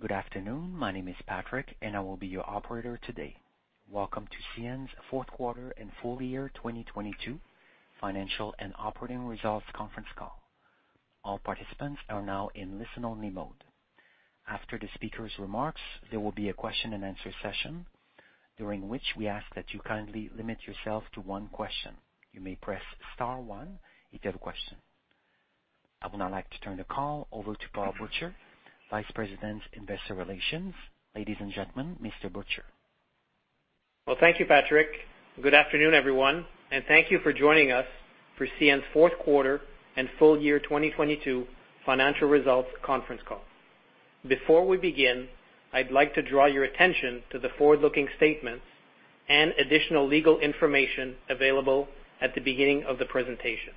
Good afternoon. My name is Patrick, and I will be your operator today. Welcome to CN's Fourth Quarter and Full-Year 2022 Financial and Operating Results Conference Call. All participants are now in listen-only mode. After the speaker's remarks, there will be a question-and-answer session, during which we ask that you kindly limit yourself to one question. You may press star one if you have a question. I would now like to turn the call over to Paul Butcher, Vice President, Investor Relations. Ladies and gentlemen, Mr. Butcher. Well, thank you, Patrick. Good afternoon, everyone, thank you for joining us for CN's Fourth Quarter and Full-Year 2022 Financial Results Conference Call. Before we begin, I'd like to draw your attention to the forward-looking statements and additional legal information available at the beginning of the presentation.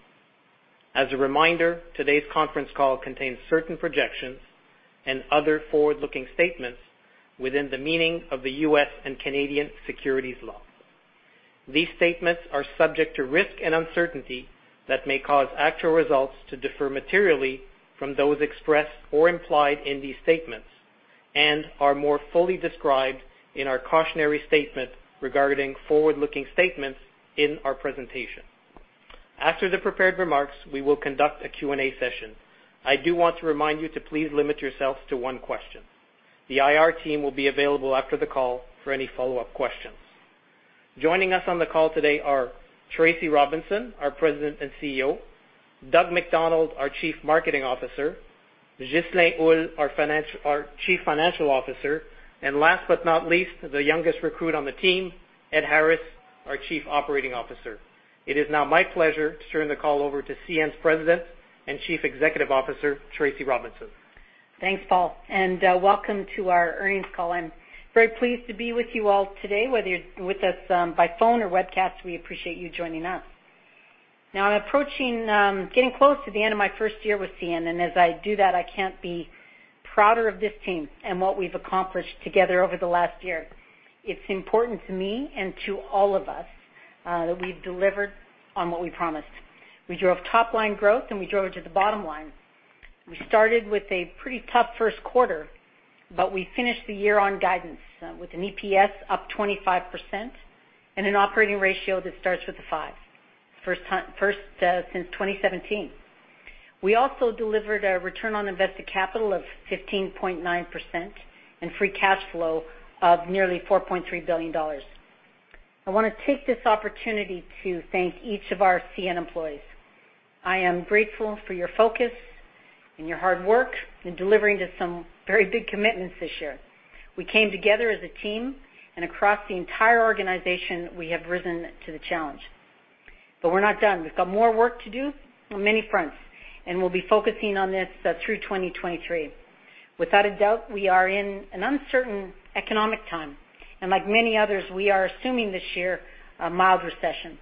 As a reminder, today's conference call contains certain projections and other forward-looking statements within the meaning of the U.S. and Canadian securities law. These statements are subject to risk and uncertainty that may cause actual results to differ materially from those expressed or implied in these statements and are more fully described in our cautionary statement regarding forward-looking statements in our presentation. After the prepared remarks, we will conduct a Q&A session. I do want to remind you to please limit yourselves to one question. The IR team will be available after the call for any follow-up questions. Joining us on the call today are Tracy Robinson, our President and CEO, Doug MacDonald, our Chief Marketing Officer, Ghislain Houle, our Chief Financial Officer, last but not least, the youngest recruit on the team, Ed Harris, our Chief Operating Officer. It is now my pleasure to turn the call over to CN's President and Chief Executive Officer, Tracy Robinson. Thanks, Paul, welcome to our earnings call. I'm very pleased to be with you all today. Whether you're with us by phone or webcast, we appreciate you joining us. I'm approaching, getting close to the end of my first year with CN. As I do that, I can't be prouder of this team and what we've accomplished together over the last year. It's important to me and to all of us that we've delivered on what we promised. We drove top-line growth. We drove it to the bottom line. We started with a pretty tough first quarter. We finished the year on guidance with an EPS up 25% and an operating ratio that starts with a five, first since 2017. We also delivered a Return on Invested Capital of 15.9% and Free Cash Flow of nearly 4.3 billion dollars. I wanna take this opportunity to thank each of our CN employees. I am grateful for your focus and your hard work in delivering to some very big commitments this year. We came together as a team, and across the entire organization, we have risen to the challenge. We're not done. We've got more work to do on many fronts, and we'll be focusing on this through 2023. Without a doubt, we are in an uncertain economic time, and like many others, we are assuming this year a mild recession.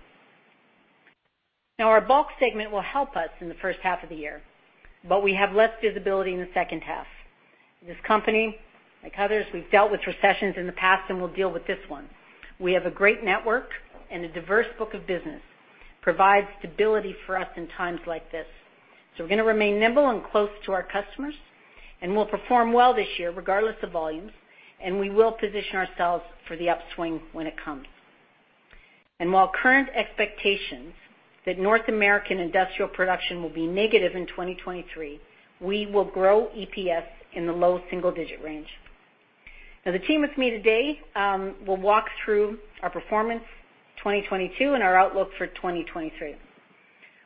Now our bulk segment will help us in the first half of the year, but we have less visibility in the second half. This company, like others, we've dealt with recessions in the past, and we'll deal with this one. We have a great network, and a diverse book of business provides stability for us in times like this. We're gonna remain nimble and close to our customers, and we'll perform well this year regardless of volumes, and we will position ourselves for the upswing when it comes. While current expectations that North American industrial production will be negative in 2023, we will grow EPS in the low single-digit range. The team with me today will walk through our performance 2022 and our outlook for 2023.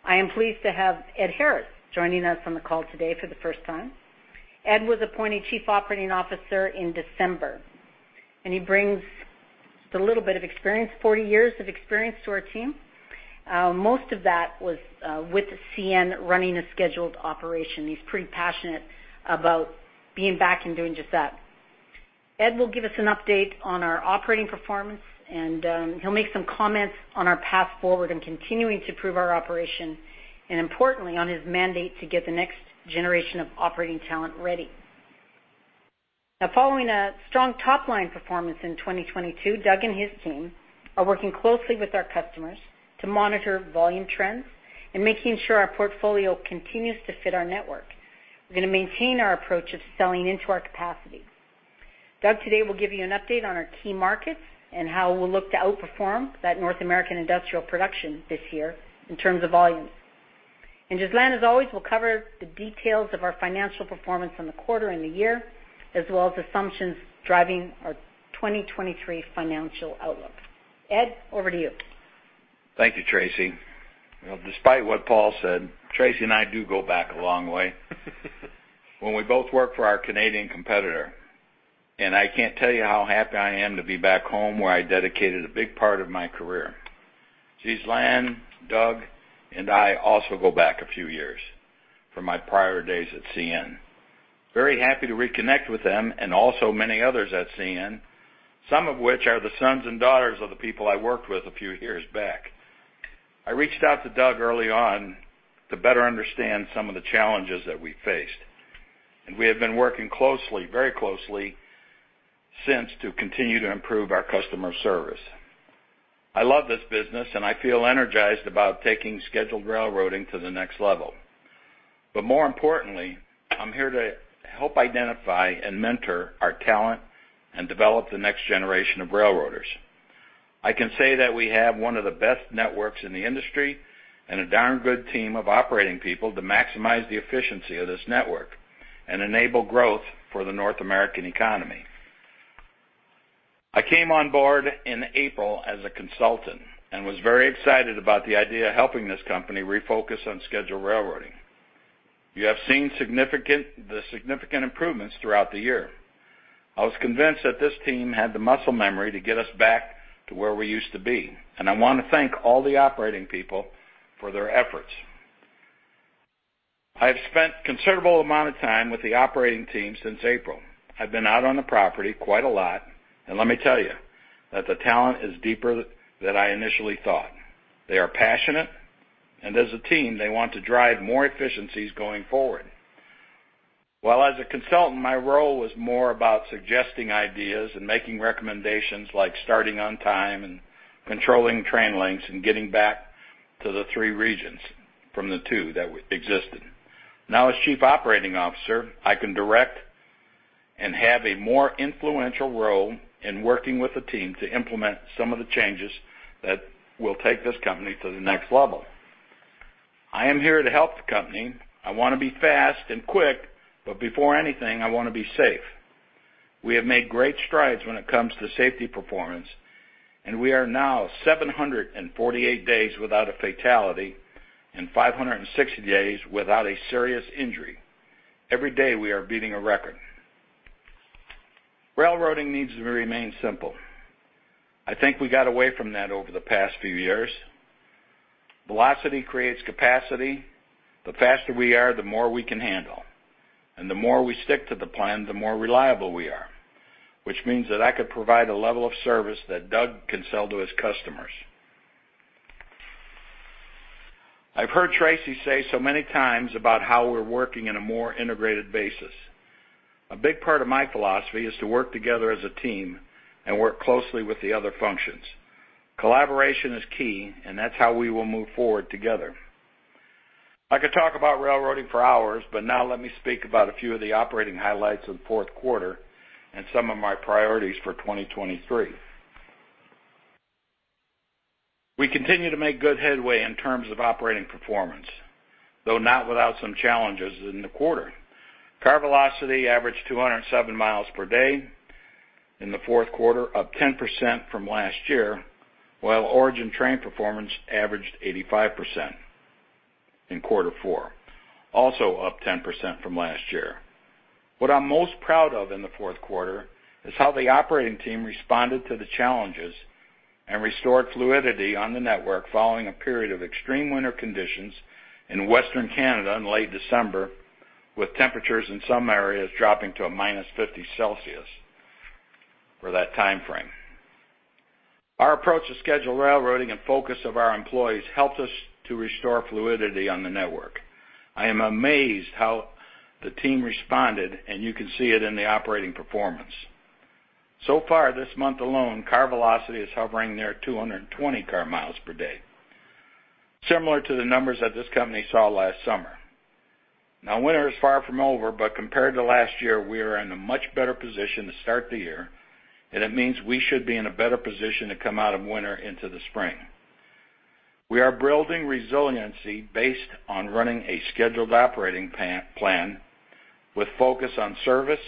I am pleased to have Ed Harris joining us on the call today for the first time. Ed was appointed Chief Operating Officer in December. He brings just a little bit of experience, 40 years of experience, to our team. Most of that was with CN running a scheduled operation. He's pretty passionate about being back and doing just that. Ed will give us an update on our operating performance. He'll make some comments on our path forward and continuing to prove our operation and importantly, on his mandate to get the next generation of operating talent ready. Following a strong top-line performance in 2022, Doug and his team are working closely with our customers to monitor volume trends and making sure our portfolio continues to fit our network. We're gonna maintain our approach of selling into our capacity. Doug today will give you an update on our key markets and how we'll look to outperform that North American industrial production this year in terms of volumes. Ghislain, as always, will cover the details of our financial performance in the quarter and the year, as well as assumptions driving our 2023 financial outlook. Ed, over to you. Thank you, Tracy. Well, despite what Paul said, Tracy and I do go back a long way when we both worked for our Canadian competitor. I can't tell you how happy I am to be back home, where I dedicated a big part of my career. Ghislain, Doug, and I also go back a few years from my prior days at CN. Very happy to reconnect with them and also many others at CN, some of which are the sons and daughters of the people I worked with a few years back. I reached out to Doug early on to better understand some of the challenges that we faced. We have been working closely. Since to continue to improve our customer service. I love this business, and I feel energized about taking scheduled railroading to the next level. More importantly, I'm here to help identify and mentor our talent and develop the next generation of railroaders. I can say that we have one of the best networks in the industry and a darn good team of operating people to maximize the efficiency of this network and enable growth for the North American economy. I came on board in April as a consultant and was very excited about the idea of helping this company refocus on scheduled railroading. You have seen the significant improvements throughout the year. I was convinced that this team had the muscle memory to get us back to where we used to be, and I want to thank all the operating people for their efforts. I have spent considerable amount of time with the operating team since April. I've been out on the property quite a lot, let me tell you that the talent is deeper than I initially thought. They are passionate, as a team, they want to drive more efficiencies going forward. While as a consultant, my role was more about suggesting ideas and making recommendations, like starting on time and controlling train lengths and getting back to the three regions from the two that existed. As Chief Operating Officer, I can direct and have a more influential role in working with the team to implement some of the changes that will take this company to the next level. I am here to help the company. I wanna be fast and quick, before anything, I wanna be safe. We have made great strides when it comes to safety performance. We are now 748 days without a fatality and 560 days without a serious injury. Every day, we are beating a record. Railroading needs to remain simple. I think we got away from that over the past few years. Velocity creates capacity. The faster we are, the more we can handle. The more we stick to the plan, the more reliable we are, which means that I could provide a level of service that Doug can sell to his customers. I've heard Tracy say so many times about how we're working in a more integrated basis. A big part of my philosophy is to work together as a team and work closely with the other functions. Collaboration is key. That's how we will move forward together. I could talk about railroading for hours, now let me speak about a few of the operating highlights of the fourth quarter and some of my priorities for 2023. We continue to make good headway in terms of operating performance, though not without some challenges in the quarter. Car velocity averaged 207 mi per day in the fourth quarter, up 10% from last year, while Origin train performance averaged 85% in quarter four, also up 10% from last year. What I'm most proud of in the fourth quarter is how the operating team responded to the challenges, and restored fluidity on the network following a period of extreme winter conditions in Western Canada in late December, with temperatures in some areas dropping to a minus Celsius for that timeframe. Our approach to scheduled railroading and focus of our employees helped us to restore fluidity on the network. I am amazed how the team responded, You can see it in the operating performance. So far this month alone, car velocity is hovering near 220 car mi per day, similar to the numbers that this company saw last summer. Now, winter is far from over compared to last year, we are in a much better position to start the year, it means we should be in a better position to come out of winter into the spring. We are building resiliency based on running a scheduled operating plan with focus on service,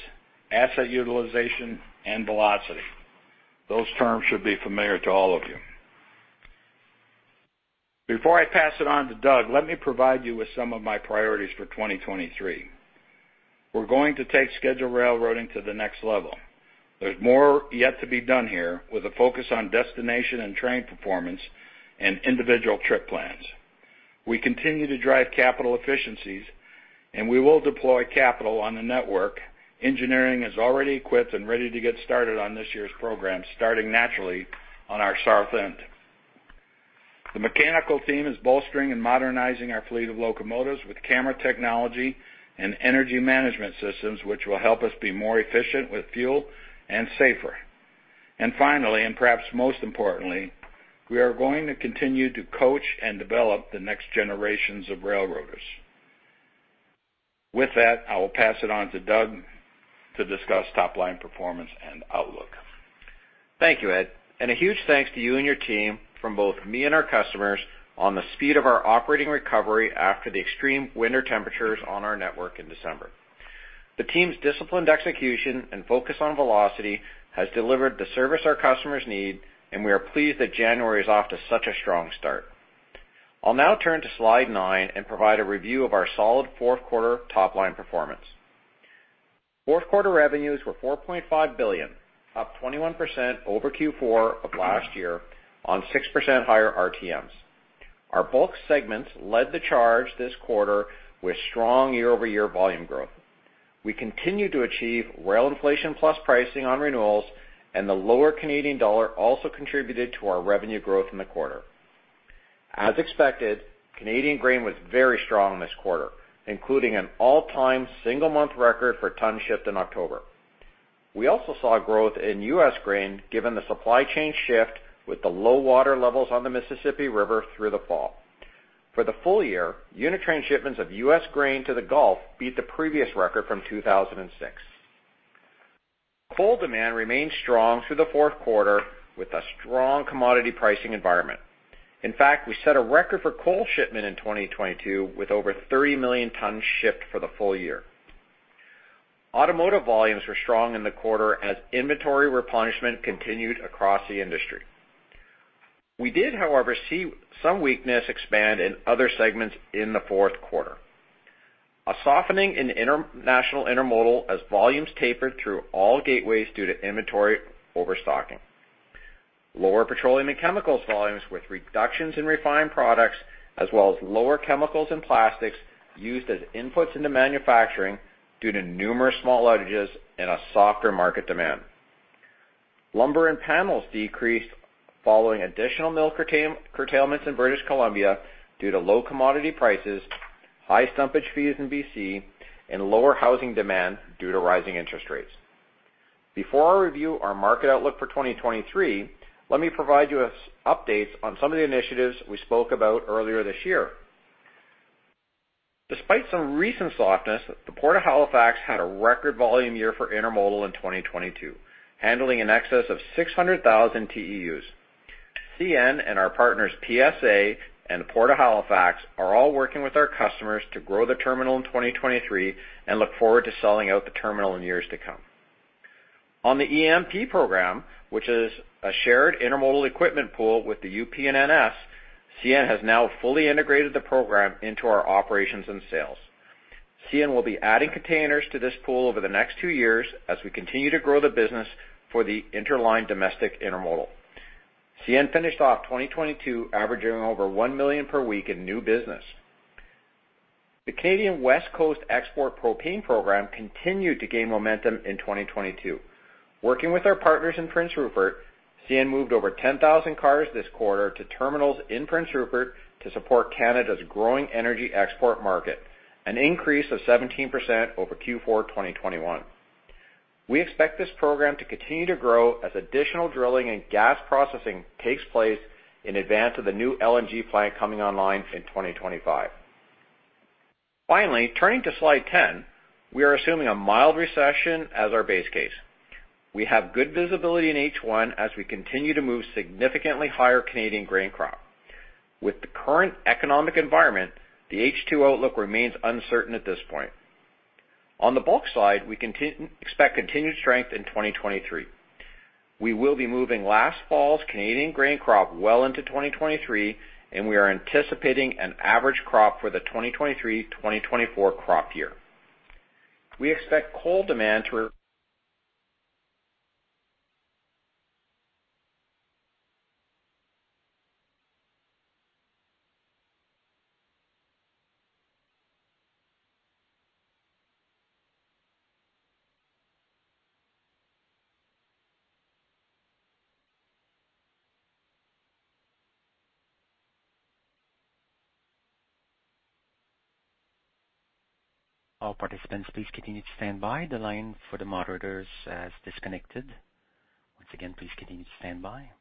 asset utilization, and velocity. Those terms should be familiar to all of you. Before I pass it on to Doug, let me provide you with some of my priorities for 2023. We're going to take scheduled railroading to the next level. There's more yet to be done here with a focus on destination and train performance and individual trip plans. We continue to drive capital efficiencies, and we will deploy capital on the network. Engineering is already equipped and ready to get started on this year's program, starting naturally on our south end. The mechanical team is bolstering and modernizing our fleet of locomotives with camera technology and energy management systems, which will help us be more efficient with fuel and safer. Finally, and perhaps most importantly, we are going to continue to coach and develop the next generations of railroaders. With that, I will pass it on to Doug to discuss top-line performance and outlook. Thank you, Ed. A huge thanks to you and your team from both me and our customers on the speed of our operating recovery after the extreme winter temperatures on our network in December. The team's disciplined execution and focus on velocity has delivered the service our customers need, and we are pleased that January is off to such a strong start. I'll now turn to slide nine and provide a review of our solid fourth quarter top-line performance. Fourth quarter revenues were 4.5 billion, up 21% over Q4 of last year on 6% higher RTMs. Our bulk segments led the charge this quarter with strong year-over-year volume growth. We continue to achieve rail inflation plus pricing on renewals, the lower Canadian dollar also contributed to our revenue growth in the quarter. As expected, Canadian grain was very strong in this quarter, including an all-time single-month record for ton shipped in October. We also saw growth in U.S. grain given the supply chain shift with the low water levels on the Mississippi River through the fall. For the full-year, unit train shipments of U.S. grain to the Gulf beat the previous record from 2006. In fact, we set a record for coal shipment in 2022 with over 30 million tons shipped for the full-year. Automotive volumes were strong in the quarter as inventory replenishment continued across the industry. We did, however, see some weakness expand in other segments in the fourth quarter. A softening in international intermodal as volumes tapered through all gateways due to inventory overstocking. Lower petroleum and chemicals volumes with reductions in refined products, as well as lower chemicals and plastics used as inputs into manufacturing due to numerous small outages and a softer market demand. Lumber and panels decreased following additional mill curtailments in British Columbia due to low commodity prices, high stumpage fees in BC, and lower housing demand due to rising interest rates. Before I review our market outlook for 2023, let me provide you with updates on some of the initiatives we spoke about earlier this year. Despite some recent softness, the Port of Halifax had a record volume year for intermodal in 2022, handling in excess of 600,000 TEUs. CN and our partners, PSA and the Port of Halifax, are all working with our customers to grow the terminal in 2023 and look forward to selling out the terminal in years to come. On the EMP program, which is a shared intermodal equipment pool with the UP and NS, CN has now fully integrated the program into our operations and sales. CN will be adding containers to this pool over the next two years as we continue to grow the business for the interline domestic intermodal. CN finished off 2022 averaging over 1 million per week in new business. The Canadian West Coast Export Propane program continued to gain momentum in 2022. Working with our partners in Prince Rupert, CN moved over 10,000 cars this quarter to terminals in Prince Rupert to support Canada's growing energy export market, an increase of 17% over Q4 2021. We expect this program to continue to grow as additional drilling and gas processing takes place in advance of the new LNG plant coming online in 2025. Turning to slide 10, we are assuming a mild recession as our base case. We have good visibility in H1 as we continue to move significantly higher Canadian grain crop. With the current economic environment, the H2 outlook remains uncertain at this point. On the bulk side, we expect continued strength in 2023. We will be moving last fall's Canadian grain crop well into 2023, and we are anticipating an average crop for the 2023/2024 crop year. We expect coal demand to re-. All participants, please continue to stand by. The line for the moderators has disconnected. Once again, please continue to stand by.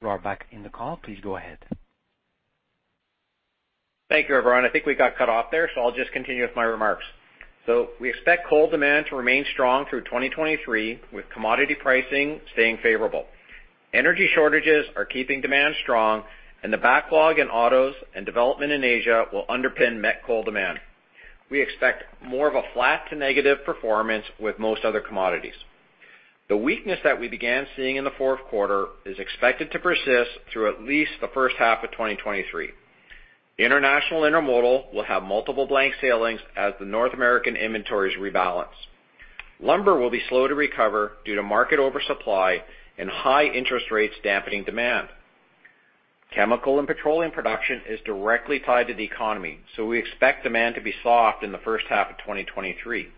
You are back in the call. Please go ahead. Thank you, everyone. I think we got cut off there, so I'll just continue with my remarks. We expect coal demand to remain strong through 2023, with commodity pricing staying favorable. Energy shortages are keeping demand strong, and the backlog in autos and development in Asia will underpin met coal demand. We expect more of a flat to negative performance with most other commodities. The weakness that we began seeing in the fourth quarter is expected to persist through at least the first half of 2023. International Intermodal will have multiple blank sailings as the North American inventories rebalance. Lumber will be slow to recover due to market oversupply and high interest rates dampening demand. Chemical and petroleum production is directly tied to the economy, so we expect demand to be soft in the first half of 2023.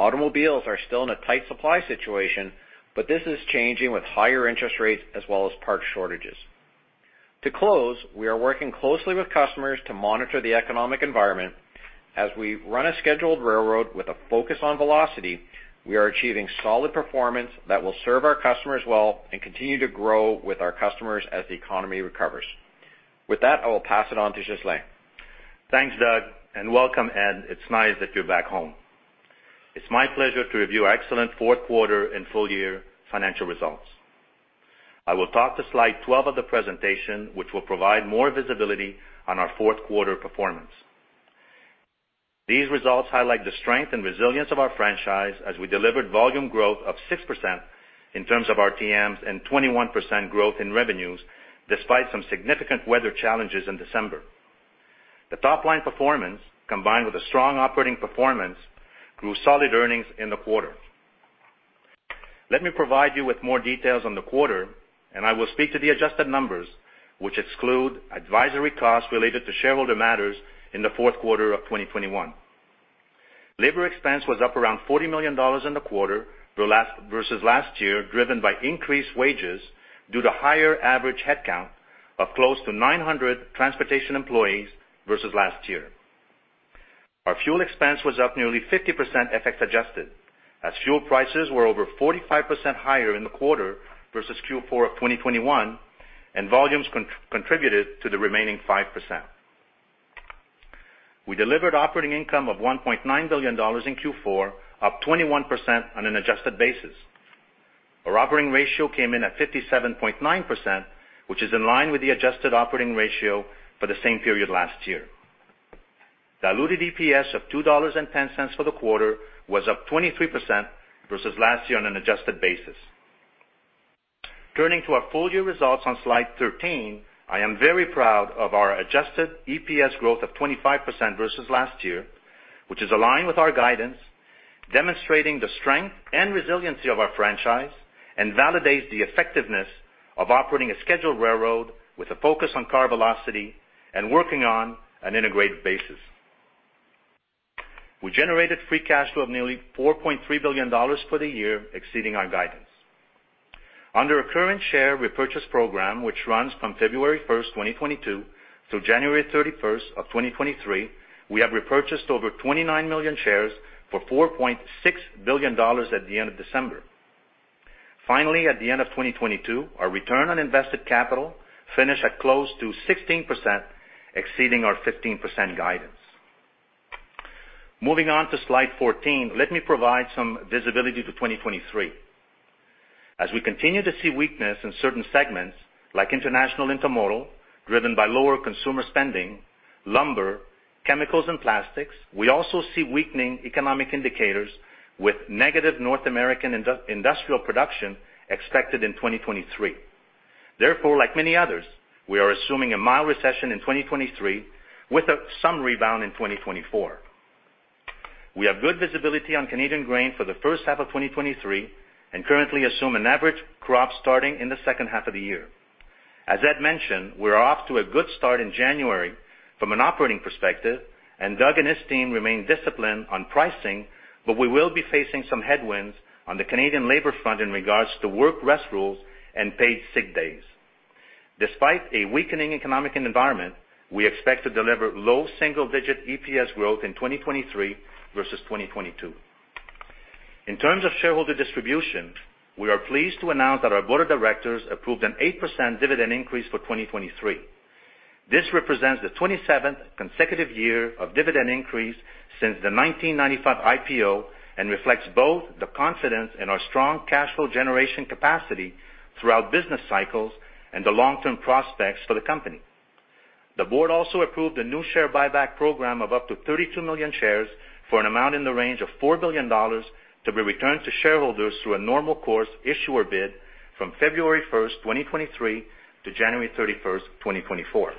Automobiles are still in a tight supply situation, this is changing with higher interest rates as well as parts shortages. To close, we are working closely with customers to monitor the economic environment. As we run a scheduled railroad with a focus on velocity, we are achieving solid performance that will serve our customers well and continue to grow with our customers as the economy recovers. With that, I will pass it on to Ghislain. Thanks, Doug, and welcome, Ed. It's nice that you're back home. It's my pleasure to review our excellent fourth quarter and full-year financial results. I will talk to slide 12 of the presentation, which will provide more visibility on our fourth quarter performance. These results highlight the strength and resilience of our franchise as we delivered volume growth of 6% in terms of our RTMs and 21% growth in revenues, despite some significant weather challenges in December. The top line performance, combined with a strong operating performance, grew solid earnings in the quarter. Let me provide you with more details on the quarter, and I will speak to the adjusted numbers, which exclude advisory costs related to shareholder matters in the fourth quarter of 2021. Labor expense was up around 40 million dollars in the quarter versus last year, driven by increased wages due to higher average headcount of close to 900 transportation employees versus last year. Our fuel expense was up nearly 50% FX adjusted, as fuel prices were over 45% higher in the quarter versus Q4 of 2021, and volumes contributed to the remaining 5%. We delivered operating income of 1.9 billion dollars in Q4, up 21% on an adjusted basis. Our operating ratio came in at 57.9%, which is in line with the adjusted operating ratio for the same period last year. Diluted EPS of 2.10 dollars for the quarter was up 23% versus last year on an adjusted basis. Turning to our full-year results on slide 13, I am very proud of our adjusted EPS growth of 25% versus last year, which is aligned with our guidance, demonstrating the strength and resiliency of our franchise, and validates the effectiveness of operating a scheduled railroad with a focus on car velocity and working on an integrated basis. We generated Free Cash Flow of nearly 4.3 billion dollars for the year, exceeding our guidance. Under our current share repurchase program, which runs from February 1st, 2022 to January 31st, 2023, we have repurchased over 29 million shares for 4.6 billion dollars at the end of December. Finally, at the end of 2022, our Return on Invested Capital finished at close to 16%, exceeding our 15% guidance. Moving on to slide 14, let me provide some visibility to 2023. As we continue to see weakness in certain segments, like international intermodal, driven by lower consumer spending, lumber, chemicals, and plastics, we also see weakening economic indicators with negative North American industrial production expected in 2023. Like many others, we are assuming a mild recession in 2023 with some rebound in 2024. We have good visibility on Canadian grain for the first half of 2023 and currently assume an average crop starting in the second half of the year. As Ed mentioned, we're off to a good start in January from an operating perspective, and Doug and his team remain disciplined on pricing, but we will be facing some headwinds on the Canadian labor front in regards to Work Rest Rules and Paid Sick Days. Despite a weakening economic environment, we expect to deliver low single-digit EPS growth in 2023 versus 2022. In terms of shareholder distribution, we are pleased to announce that our board of directors approved an 8% dividend increase for 2023. This represents the 27th consecutive year of dividend increase since the 1995 IPO and reflects both the confidence in our strong cash flow generation capacity throughout business cycles and the long-term prospects for the company. The board also approved a new share buyback program of up to 32 million shares for an amount in the range of 4 billion dollars to be returned to shareholders through a Normal Course Issuer Bid from February 1st, 2023 to January 31st, 2024.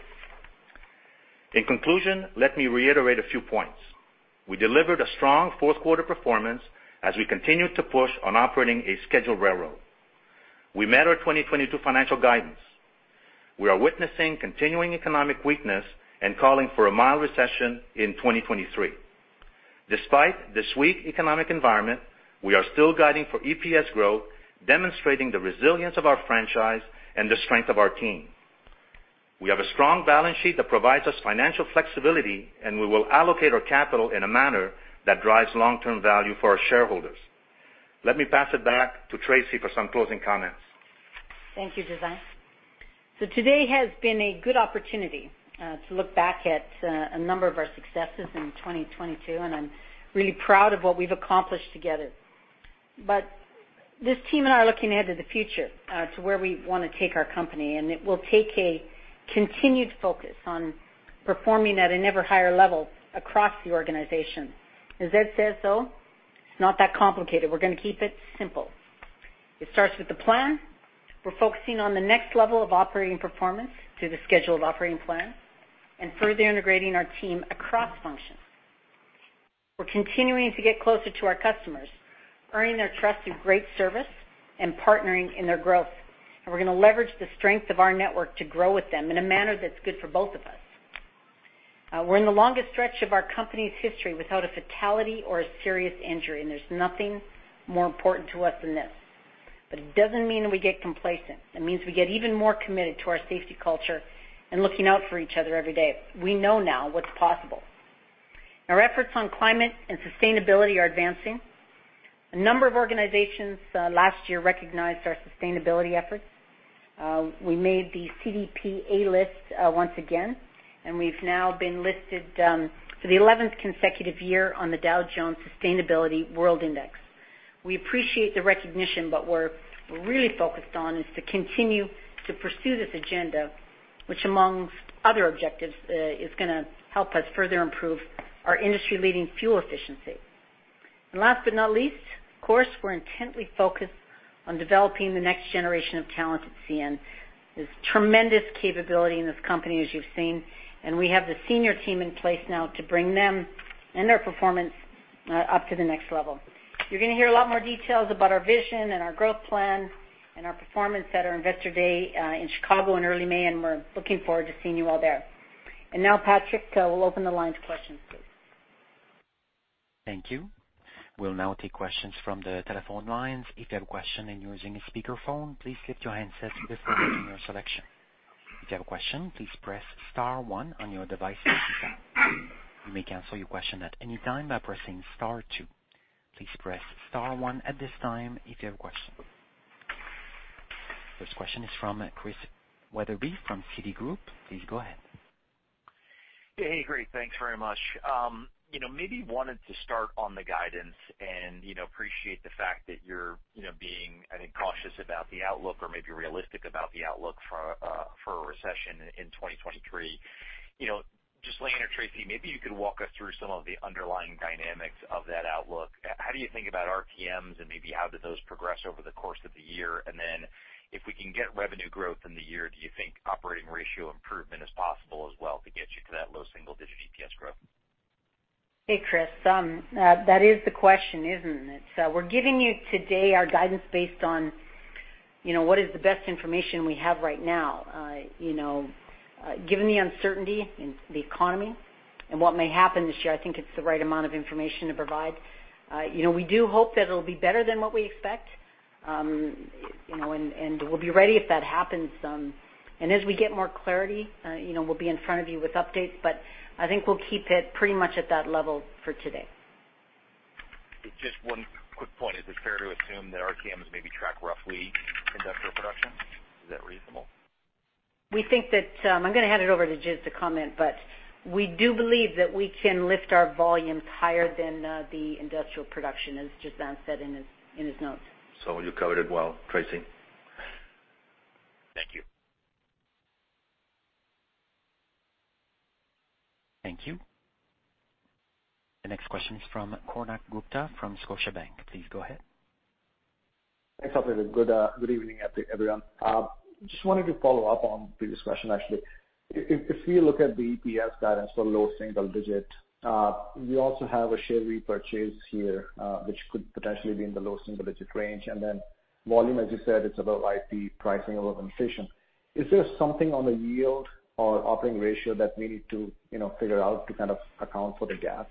In conclusion, let me reiterate a few points. We delivered a strong fourth quarter performance as we continued to push on operating a scheduled railroad. We met our 2022 financial guidance. We are witnessing continuing economic weakness and calling for a mild recession in 2023. Despite this weak economic environment, we are still guiding for EPS growth, demonstrating the resilience of our franchise and the strength of our team. We have a strong balance sheet that provides us financial flexibility, and we will allocate our capital in a manner that drives long-term value for our shareholders. Let me pass it back to Tracy for some closing comments. Thank you, Ghislain. Today has been a good opportunity to look back at a number of our successes in 2022, and I'm really proud of what we've accomplished together. This team and I are looking ahead to the future, to where we wanna take our company, and it will take a continued focus on performing at an ever higher level across the organization. As Ed says, though, it's not that complicated. We're gonna keep it simple. It starts with the plan. We're focusing on the next level of operating performance through the scheduled operating plan and further integrating our team across functions. We're continuing to get closer to our customers, earning their trust through great service and partnering in their growth. We're gonna leverage the strength of our network to grow with them in a manner that's good for both of us. We're in the longest stretch of our company's history without a fatality or a serious injury, and there's nothing more important to us than this. It doesn't mean we get complacent. It means we get even more committed to our safety culture and looking out for each other every day. We know now what's possible. Our efforts on climate and sustainability are advancing. A number of organizations last year recognized our sustainability efforts. We made the CDP A List once again, and we've now been listed for the eleventh consecutive year on the Dow Jones Sustainability World Index. We appreciate the recognition, but we're really focused on is to continue to pursue this agenda, which amongst other objectives, is gonna help us further improve our industry-leading fuel efficiency. Last but not least, of course, we're intently focused on developing the next generation of talent at CN. There's tremendous capability in this company, as you've seen, and we have the senior team in place now to bring them and their performance up to the next level. You're gonna hear a lot more details about our vision and our growth plan and our performance at our Investor Day in Chicago in early May, and we're looking forward to seeing you all there. Now, Patrick, we'll open the line to questions, please. Thank you. We'll now take questions from the telephone lines. If you have a question and you're using a speakerphone, please mute your handsets before making your selection. If you have a question, please press star one on your device to speak up. You may cancel your question at any time by pressing star two. Please press star one at this time if you have a question. First question is from Christian Wetherbee from Citigroup. Please go ahead. Hey, great. Thanks very much. You know, maybe wanted to start on the guidance and, you know, appreciate the fact that you're, you know, being, I think, cautious about the outlook or maybe realistic about the outlook for a recession in 2023. You know, Ghislain or Tracy, maybe you could walk us through some of the underlying dynamics of that outlook. How do you think about RTMs and maybe how do those progress over the course of the year? Then if we can get revenue growth in the year, do you think operating ratio improvement is possible as well to get you to that low single-digit EPS growth? Hey, Chris. That is the question, isn't it? We're giving you today our guidance based on, you know, what is the best information we have right now. You know, given the uncertainty in the economy and what may happen this year, I think it's the right amount of information to provide. You know, we do hope that it'll be better than what we expect. You know, and we'll be ready if that happens. As we get more clarity, you know, we'll be in front of you with updates, but I think we'll keep it pretty much at that level for today. Just one quick point. Is it fair to assume that RTMs maybe track roughly industrial production? Is that reasonable? We think that, I'm gonna hand it over to Ghislain to comment, but we do believe that we can lift our volumes higher than the industrial production, as Ghislain said in his notes. You covered it well, Tracy. Thank you. Thank you. The next question is from Konark Gupta from Scotiabank. Please go ahead. Thanks, operator. Good evening, everyone. Just wanted to follow up on previous question, actually. If we look at the EPS guidance for low single digit, we also have a share repurchase here, which could potentially be in the low single digit range. Volume, as you said, it's about IP, pricing, or optimization. Is there something on the yield or operating ratio that we need to, you know, figure out to kind of account for the gap?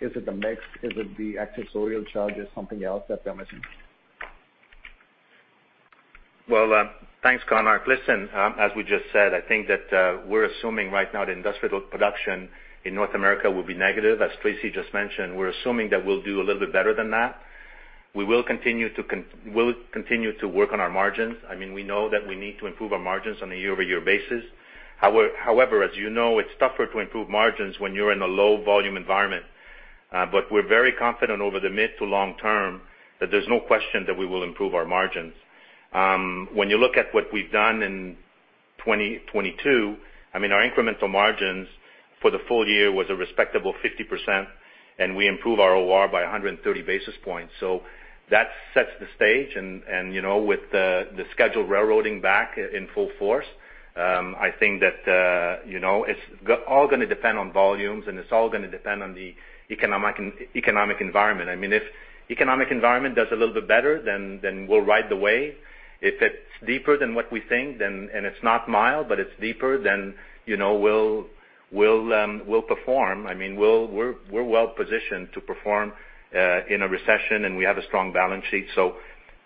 Is it the mix? Is it the accessorial charges, something else that we're missing? Thanks, Konark. Listen, as we just said, I think that we're assuming right now the industrial production in North America will be negative. As Tracy just mentioned, we're assuming that we'll do a little bit better than that. We'll continue to work on our margins. I mean, we know that we need to improve our margins on a year-over-year basis. However, as you know, it's tougher to improve margins when you're in a low volume environment. We're very confident over the mid to long term that there's no question that we will improve our margins. When you look at what we've done in 2022, I mean, our incremental margins for the full-year was a respectable 50%, and we improved our OR by 130 basis points. That sets the stage. You know, with the Scheduled railroading back in full force, I think that, you know, it's all gonna depend on volumes, and it's all gonna depend on the economic environment. I mean, if economic environment does a little bit better, then we'll ride the wave. If it's deeper than what we think, and it's not mild, but it's deeper, then, you know, we'll perform. I mean, we're well positioned to perform in a recession, and we have a strong balance sheet.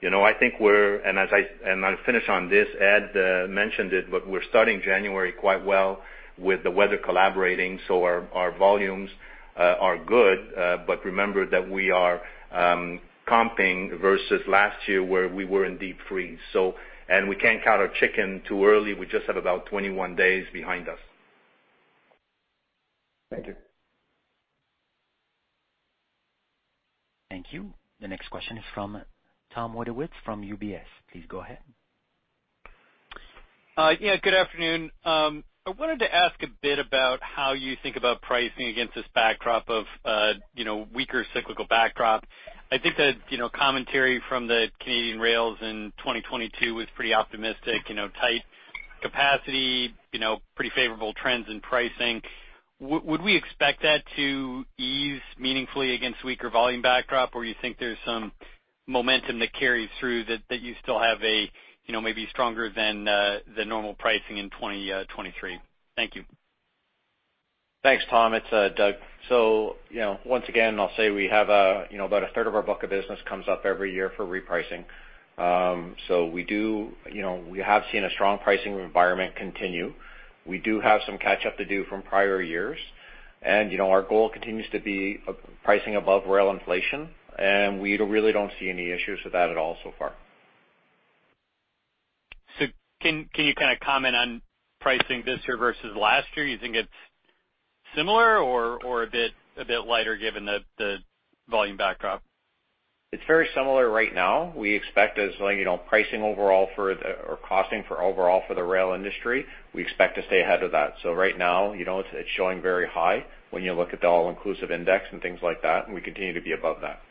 You know, I think we're. I'll finish on this. Ed mentioned it, but we're starting January quite well with the weather collaborating, so our volumes are good. Remember that we are comping versus last year, where we were in deep freeze. We can't count our chicken too early. We just have about 21 days behind us. Thank you. Thank you. The next question is from Thomas Wadewitz from UBS. Please go ahead. Yeah, good afternoon. I wanted to ask a bit about how you think about pricing against this backdrop of, you know, weaker cyclical backdrop. I think that, you know, commentary from the Canadian rails in 2022 was pretty optimistic, you know, tight capacity, you know, pretty favorable trends in pricing. Would we expect that to ease meaningfully against weaker volume backdrop, or you think there's some momentum that carries through that you still have a, you know, maybe stronger than the normal pricing in 2023? Thank you. Thanks, Tom. It's Doug. You know, once again, I'll say we have, you know, about a third of our book of business comes up every year for repricing. We do, you know, we have seen a strong pricing environment continue. We do have some catch up to do from prior years. You know, our goal continues to be a pricing above rail inflation, and we really don't see any issues with that at all so far. Can you kinda comment on pricing this year versus last year? You think it's similar or a bit lighter given the volume backdrop? It's very similar right now. We expect as, you know, pricing overall or costing for overall for the rail industry, we expect to stay ahead of that. Right now, you know, it's showing very high when you look at the All-Inclusive Index and things like that, and we continue to be above that.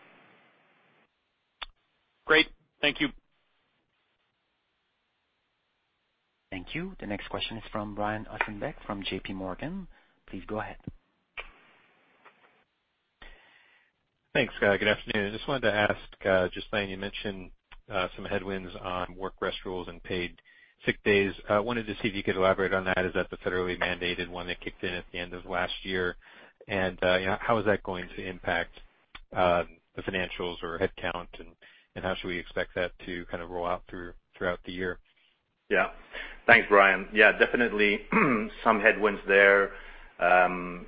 Great. Thank you. Thank you. The next question is from Brian Ossenbeck from J.P. Morgan. Please go ahead. Thanks, guy. Good afternoon. I just wanted to ask Ghislain, you mentioned some headwinds on Work Rest Rules and Paid Sick Days. I wanted to see if you could elaborate on that. Is that the federally mandated one that kicked in at the end of last year? You know, how is that going to impact the financials or headcount, and how should we expect that to kind of roll out throughout the year? Yeah. Thanks, Brian. Yeah, definitely some headwinds there. You know,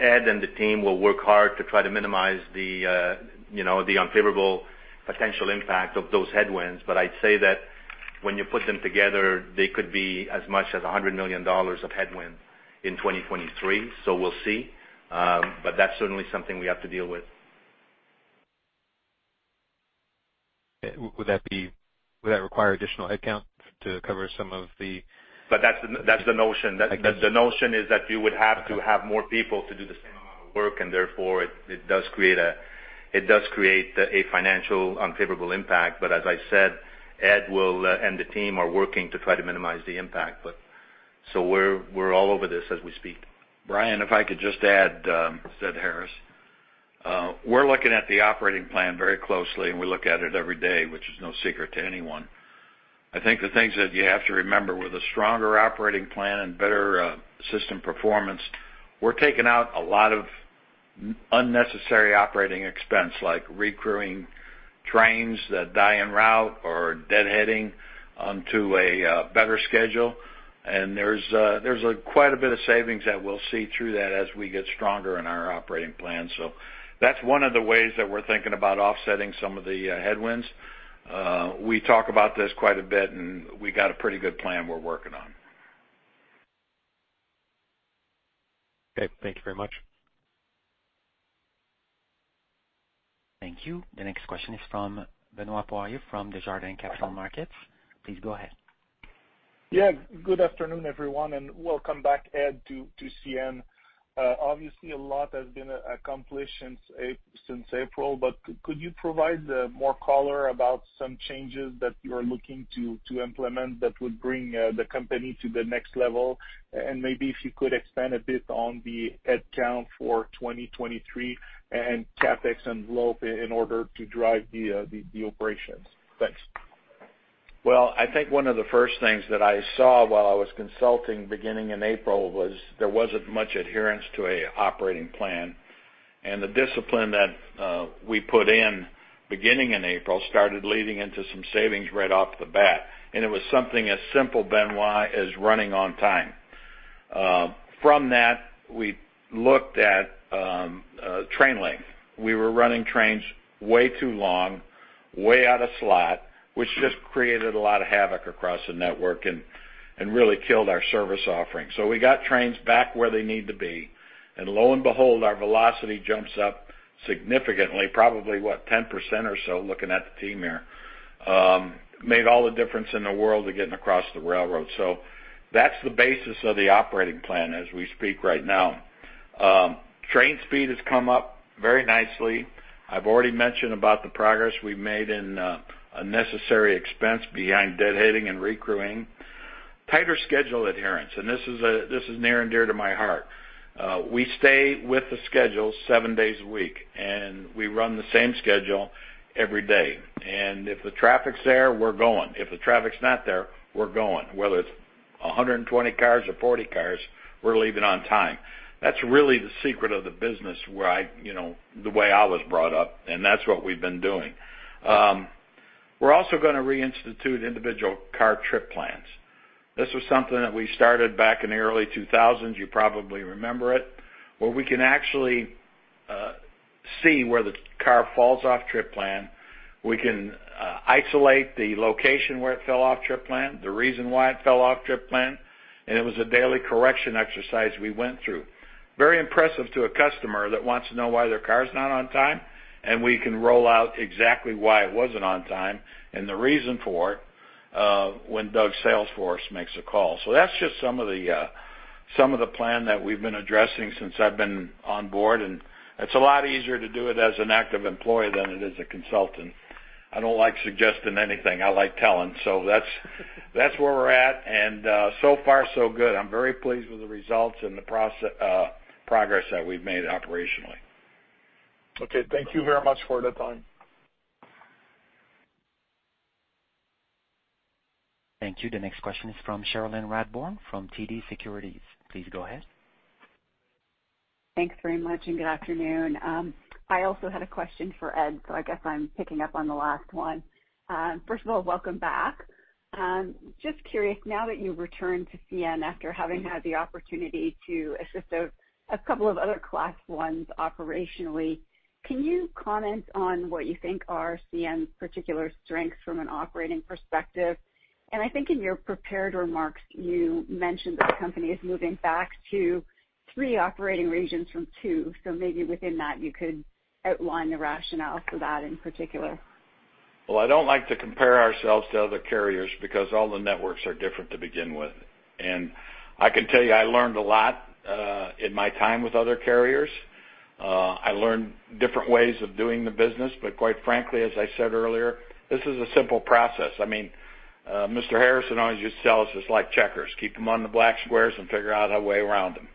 Ed and the team will work hard to try to minimize the, you know, the unfavorable potential impact of those headwinds. I'd say that when you put them together, they could be as much as 100 million dollars of headwind in 2023, so we'll see. That's certainly something we have to deal with. Okay. Would that require additional headcount to cover some of the- That's the notion. The notion is that you would have to have more people to do the same amount of work. Therefore it does create a financial unfavorable impact. As I said, Ed will and the team are working to try to minimize the impact. We're all over this as we speak. Brian, if I could just add, Ed Harris. We're looking at the operating plan very closely, and we look at it every day, which is no secret to anyone. I think the things that you have to remember with a stronger operating plan and better system performance, we're taking out a lot of unnecessary operating expense, like recrewing trains that die en route or deadheading onto a better schedule. There's quite a bit of savings that we'll see through that as we get stronger in our operating plan. That's one of the ways that we're thinking about offsetting some of the headwinds. We talk about this quite a bit, and we got a pretty good plan we're working on. Okay. Thank you very much. Thank you. The next question is from Benoit Poirier from Desjardins Capital Markets. Please go ahead. Good afternoon, everyone, and welcome back, Ed, to CN. Obviously a lot has been accomplished since April, but could you provide more color about some changes that you are looking to implement that would bring the company to the next level? Maybe if you could expand a bit on the headcount for 2023 and CapEx envelope in order to drive the operations? Thanks. Well, I think one of the first things that I saw while I was consulting beginning in April was there wasn't much adherence to a operating plan. The discipline that we put in beginning in April started leading into some savings right off the bat. It was something as simple, Benoit, as running on time. From that, we looked at train length. We were running trains way too long, way out of slot, which just created a lot of havoc across the network and really killed our service offering. We got trains back where they need to be. Lo and behold, our velocity jumps up significantly, probably what, 10% or so, looking at the team here. Made all the difference in the world to getting across the railroad. That's the basis of the operating plan as we speak right now. Train speed has come up very nicely. I've already mentioned about the progress we've made in unnecessary expense behind deadheading and recrewing. Tighter schedule adherence, and this is near and dear to my heart. We stay with the schedule seven days a week, and we run the same schedule every day. If the traffic's there, we're going. If the traffic's not there, we're going. Whether it's 120 cars or 40 cars, we're leaving on time. That's really the secret of the business where I, you know, the way I was brought up, and that's what we've been doing. We're also gonna reinstitute Individual car trip plans. This was something that we started back in the early 2000s. You probably remember it. Where we can actually, See where the car falls off trip plan. We can isolate the location where it fell-off trip plan, the reason why it fell off trip plan, and it was a daily correction exercise we went through. Very impressive to a customer that wants to know why their car is not on time, and we can roll out exactly why it wasn't on time and the reason for it, when Doug's sales force makes a call. That's just some of the some of the plan that we've been addressing since I've been on board. It's a lot easier to do it as an active employee than it is a consultant. I don't like suggesting anything. I like telling. That's, that's where we're at. So far, so good. I'm very pleased with the results and the progress that we've made operationally. Okay. Thank you very much for the time. Thank you. The next question is from Cherilyn Radbourne from TD Securities. Please go ahead. Thanks very much. Good afternoon. I also had a question for Ed, so I guess I'm picking up on the last one. First of all, welcome back. Just curious, now that you've returned to CN after having had the opportunity to assist a couple of other Class Is operationally, can you comment on what you think are CN's particular strengths from an operating perspective? I think in your prepared remarks, you mentioned the company is moving back to three operating regions from two, so maybe within that you could outline the rationale for that in particular? Well, I don't like to compare ourselves to other carriers because all the networks are different to begin with. I can tell you, I learned a lot in my time with other carriers. I learned different ways of doing the business. Quite frankly, as I said earlier, this is a simple process. I mean, Mr. Harrison always just tells us it's like checkers, keep them on the black squares and figure out a way around them.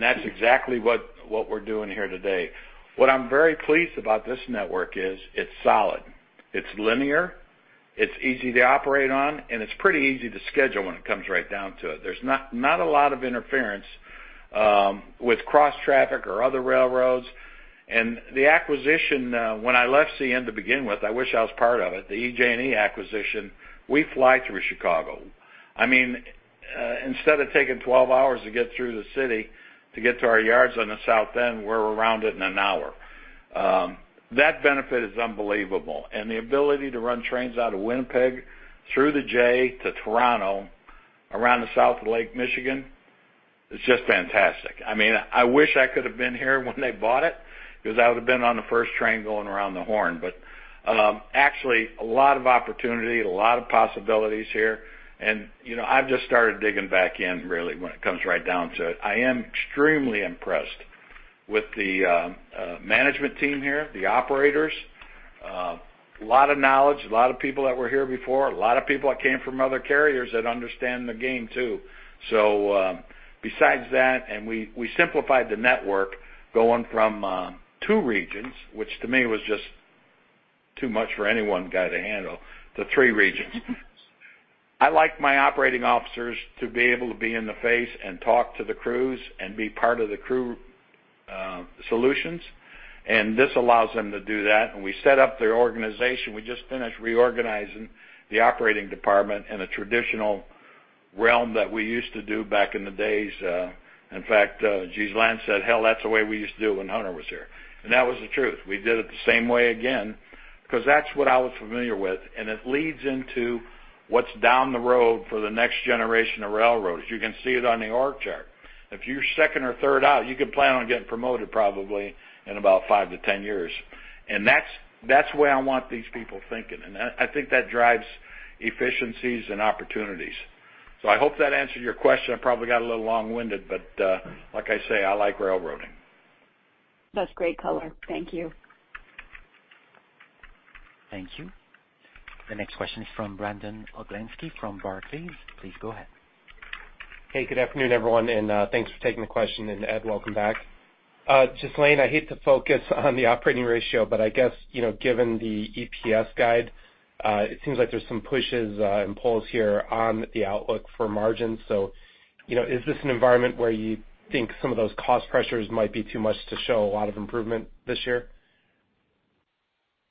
That's exactly what we're doing here today. What I'm very pleased about this network is it's solid, it's linear, it's easy to operate on, and it's pretty easy to schedule when it comes right down to it. There's not a lot of interference with cross-traffic or other railroads. The acquisition, when I left CN to begin with, I wish I was part of it, the EJ&E acquisition. We fly through Chicago. I mean, instead of taking 12 hours to get through the city to get to our yards on the South End, we're around it in an hour. That benefit is unbelievable. The ability to run trains out of Winnipeg through the J to Toronto around the south of Lake Michigan is just fantastic. I mean, I wish I could have been here when they bought it, because I would have been on the first train going around the horn. Actually a lot of opportunity, a lot of possibilities here. You know, I've just started digging back in really when it comes right down to it. I am extremely impressed with the management team here, the operators, a lot of knowledge, a lot of people that were here before, a lot of people that came from other carriers that understand the game, too. Besides that, we simplified the network going from two regions, which to me was just too much for any one guy to handle, to three regions. I like my operating officers to be able to be in the face and talk to the crews and be part of the crew solutions. This allows them to do that. We set up their organization. We just finished reorganizing the operating department in a traditional realm that we used to do back in the days. In fact, Ghislain said, "Hell, that's the way we used to do it when Hunter was here." That was the truth. We did it the same way again, 'cause that's what I was familiar with. It leads into what's down the road for the next generation of railroads. You can see it on the org chart. If you're second or third out, you can plan on getting promoted probably in about 5-10 years. That's the way I want these people thinking. I think that drives efficiencies and opportunities. I hope that answered your question. I probably got a little long-winded, but, like I say, I like railroading. That's great color. Thank you. Thank you. The next question is from Brandon Oglenski from Barclays. Please go ahead. Hey, good afternoon, everyone, thanks for taking the question. Ed, welcome back. Ghislain, I hate to focus on the operating ratio, but I guess, you know, given the EPS guide, it seems like there's some pushes and pulls here on the outlook for margins. You know, is this an environment where you think some of those cost pressures might be too much to show a lot of improvement this year?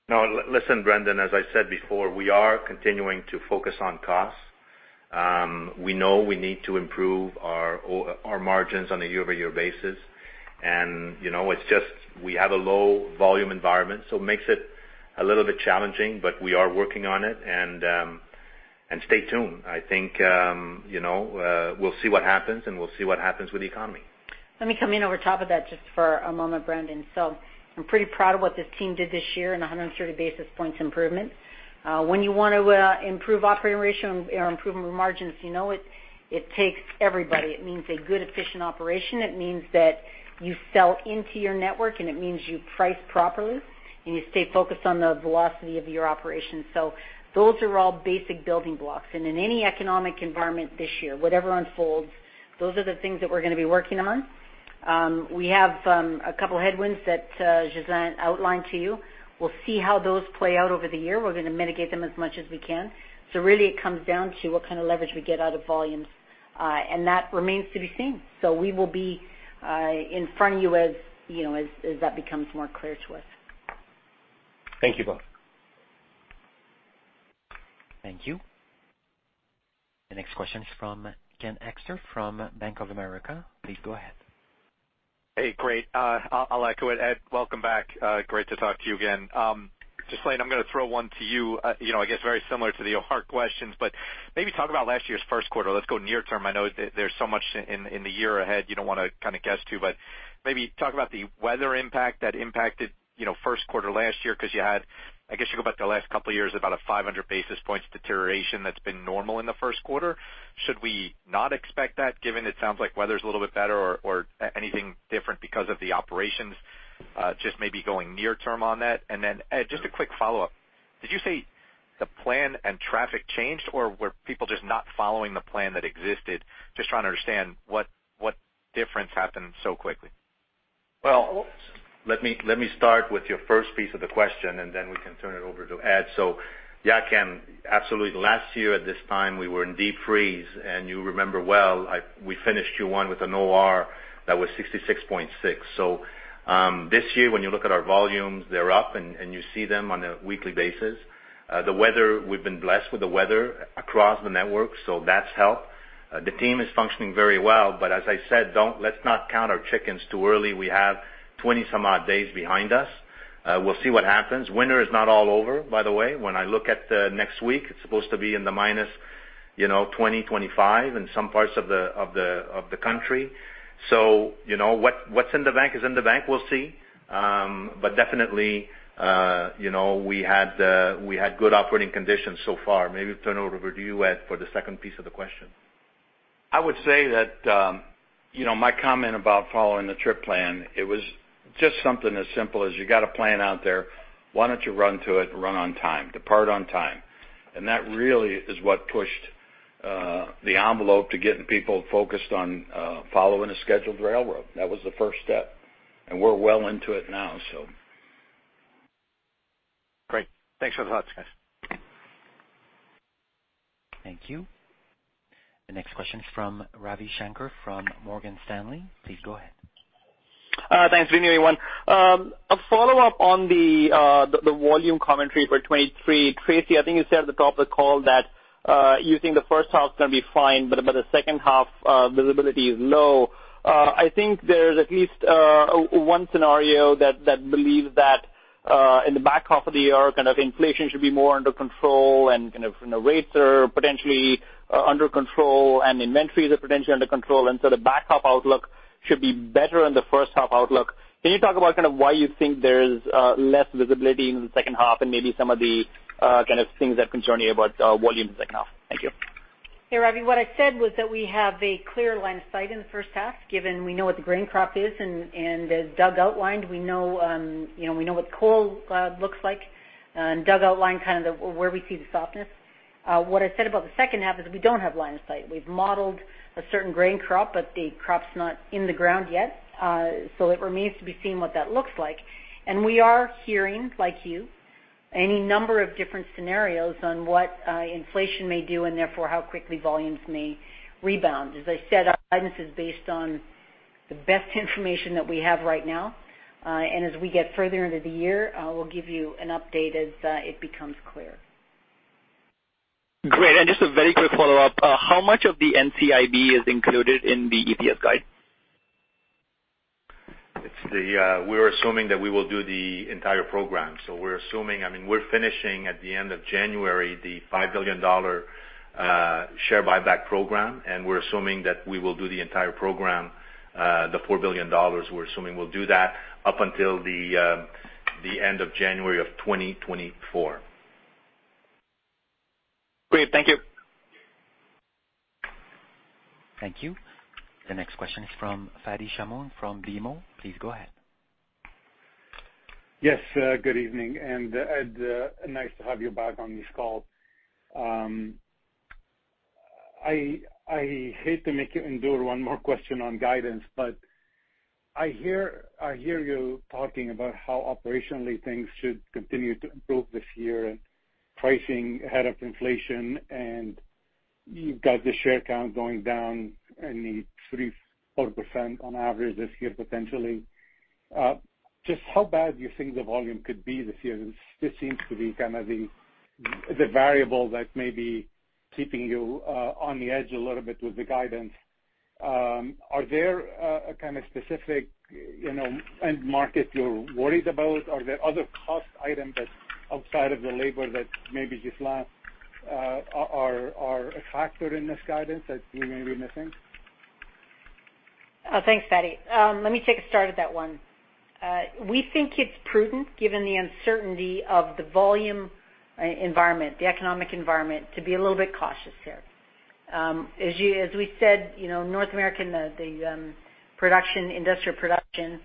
No. Listen, Brandon, as I said before, we are continuing to focus on costs. We know we need to improve our margins on a year-over-year basis. You know, it's just we have a low volume environment, so it makes it a little bit challenging, but we are working on it. Stay tuned. I think, you know, we'll see what happens, and we'll see what happens with the economy. Let me come in over top of that just for a moment, Brandon. I'm pretty proud of what this team did this year, in a 130 basis points improvement. When you wanna improve operating ratio or improve margins, you know, it takes everybody. It means a good, efficient operation. It means that you sell into your network, and it means you price properly, and you stay focused on the velocity of your operations. Those are all basic building blocks. In any economic environment this year, whatever unfolds, those are the things that we're gonna be working on. We have a couple headwinds that Ghislain outlined to you. We'll see how those play out over the year. We're gonna mitigate them as much as we can. Really it comes down to what kind of leverage we get out of volumes, and that remains to be seen. We will be in front of you, as, you know, as that becomes more clear to us. Thank you both. Thank you. The next question is from Ken Hoexter from Bank of America. Please go ahead. Hey, great. I'll echo it. Ed, welcome back. Great to talk to you again. I'm gonna throw one to you know, I guess very similar to the hard questions, but maybe talk about last year's first quarter. Let's go near term. I know there's so much in the year ahead, you don't wanna kinda guess to, but maybe talk about the weather impact that impacted, you know, first quarter last year because you had, I guess you go back to the last couple of years, about 500 basis points deterioration that's been normal in the first quarter. Should we not expect that given it sounds like weather's a little bit better or anything different because of the operations, just maybe going near term on that? Ed, just a quick follow-up. Did you say the plan and traffic changed, or were people just not following the plan that existed? Just trying to understand what difference happened so quickly? Well, let me, let me start with your first piece of the question, and then we can turn it over to Ed. Yeah, Ken, absolutely. Last year at this time, we were in deep freeze, and you remember well, we finished Q1 with an OR that was 66.6. This year when you look at our volumes, they're up, and you see them on a weekly basis. The weather, we've been blessed with the weather across the network, that's helped. The team is functioning very well. As I said, let's not count our chickens too early. We have 20 some odd days behind us. We'll see what happens. Winter is not all over, by the way. When I look at, next week, it's supposed to be in the minus, you know, 20, 25 in some parts of the, of the, of the country. You know, what's in the bank is in the bank. We'll see. Definitely, you know, we had good operating conditions so far. Maybe turn it over to you, Ed, for the second piece of the question. I would say that, you know, my comment about following the trip plan, it was just something as simple as you got a plan out there. Why don't you run to it and run on time, depart on time? That really is what pushed the envelope to getting people focused on following a scheduled railroad. That was the first step, and we're well into it now. Great. Thanks for the thoughts, guys. Thank you. The next question is from Ravi Shanker from Morgan Stanley. Please go ahead. Thanks. Good evening, everyone. A follow-up on the volume commentary for 2023. Tracy, I think you said at the top of the call that you think the first half is gonna be fine, but the second half visibility is low. I think there is at least one scenario that believes that in the back half of the year, kind of inflation should be more under control, and kind of rates are potentially under control, and inventories are potentially under control, and so the back half outlook should be better than the first half outlook. Can you talk about kind of why you think there is less visibility in the second half and maybe some of the kind of things that concern you about volume in the second half? Thank you. Hey, Ravi. What I said was that we have a clear line of sight in the first half, given we know what the grain crop is, as Doug outlined, we know, you know, we know what coal looks like, and Doug outlined kind of where we see the softness. What I said about the second half is we don't have line of sight. We've modeled a certain grain crop, but the crop's not in the ground yet, so it remains to be seen what that looks like. We are hearing, like you, any number of different scenarios on what inflation may do and therefore how quickly volumes may rebound. As I said, our guidance is based on the best information that we have right now, and as we get further into the year, we'll give you an update as it becomes clear. Great. Just a very quick follow-up. How much of the NCIB is included in the EPS guide? It's the, we're assuming that we will do the entire program. We're assuming, I mean, we're finishing at the end of January the 5 billion dollar, share buyback program, and we're assuming that we will do the entire program, the 4 billion dollars, we're assuming we'll do that up until the end of January 2024. Great. Thank you. Thank you. The next question is from Fadi Chamoun from BMO. Please go ahead. Yes, good evening. Ed, nice to have you back on this call. I hate to make you endure one more question on guidance, but I hear, I hear you talking about how operationally things should continue to improve this year and pricing ahead of inflation, and you've got the share count going down in the 3%-4% on average this year, potentially. Just how bad do you think the volume could be this year? This seems to be kind of the variable that may be keeping you, on the edge a little bit with the guidance. Are there, a kind of specific, you know, end market you're worried about? Are there other cost items that's outside of the labor that maybe, Ghislain, are a factor in this guidance that we may be missing? Thanks, Fadi. Let me take a start at that one. We think it's prudent, given the uncertainty of the volume environment, the economic environment, to be a little bit cautious here. As we said, you know, North American industrial production,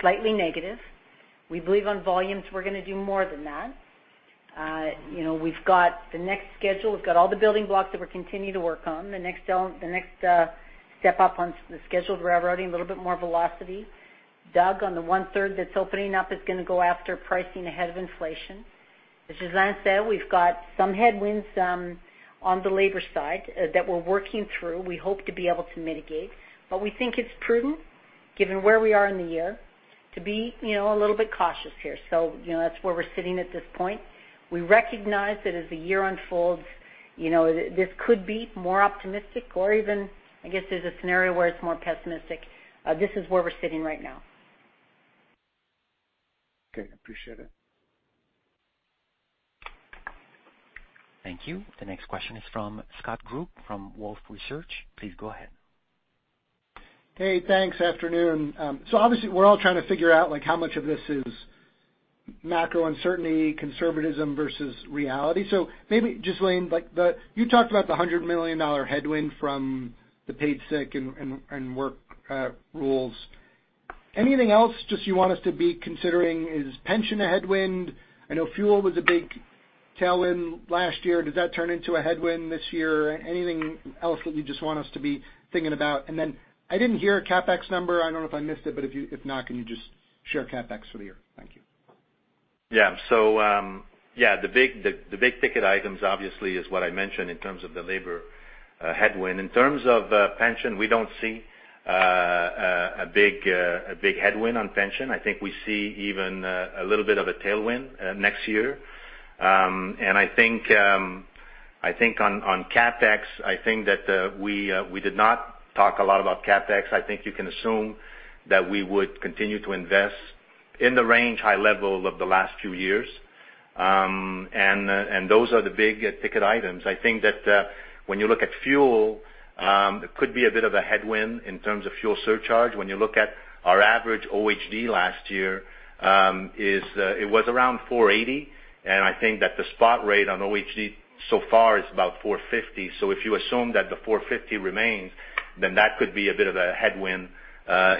slightly negative. We believe on volumes, we're gonna do more than that. You know, we've got the next schedule. We've got all the building blocks that we're continuing to work on. The next step up on the scheduled railroading, a little bit more velocity. Doug, on the one-third that's opening up, is gonna go after pricing ahead of inflation. As Ghislain said, we've got some headwinds on the labor side that we're working through, we hope to be able to mitigate. We think it's prudent given where we are in the year. To be, you know, a little bit cautious here. You know, that's where we're sitting at this point. We recognize that as the year unfolds, you know, this could be more optimistic or even, I guess, there's a scenario where it's more pessimistic. This is where we're sitting right now. Okay, appreciate it. Thank you. The next question is from Scott Group from Wolfe Research. Please go ahead. Hey, thanks. Afternoon. obviously, we're all trying to figure out, like, how much of this is macro uncertainty, conservatism versus reality. maybe, Ghislain Houle, like you talked about the 100 million dollar headwind from the Paid Sick Days and Work Rest Rules. Anything else just you want us to be considering? Is pension a headwind? I know fuel was a big tailwind last year. Does that turn into a headwind this year? Anything else that you just want us to be thinking about? I didn't hear a CapEx number. I don't know if I missed it, if you, if not, can you just share CapEx for the year? Thank you. Yeah. The big ticket items obviously is what I mentioned in terms of the labor headwind. In terms of pension, we don't see a big headwind on pension. I think we see even a little bit of a tailwind next year. I think on CapEx, I think that we did not talk a lot about CapEx. I think you can assume that we would continue to invest in the range high level of the last few years. Those are the big ticket items. I think that when you look at fuel, it could be a bit of a headwind in terms of fuel surcharge. When you look at our average OHE last year, it was around 480, and I think that the spot rate on OHE so far is about 450. If you assume that the 450 remains, then that could be a bit of a headwind,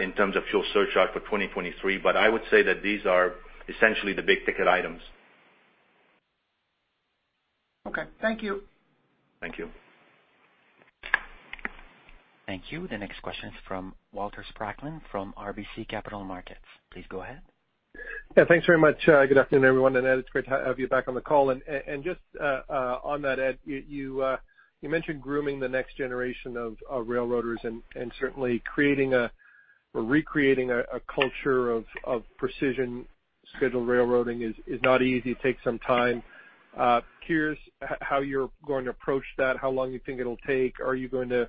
in terms of fuel surcharge for 2023. I would say that these are essentially the big ticket items. Okay. Thank you. Thank you. Thank you. The next question is from Walter Spracklin from RBC Capital Markets. Please go ahead. Yeah, thanks very much. Good afternoon, everyone, and Ed, it's great to have you back on the call. Just on that, Ed, you mentioned grooming the next generation of railroaders and certainly creating or recreating a culture of Precision Scheduled Railroading is not easy. It takes some time. Curious how you're going to approach that, how long you think it'll take? Are you going to,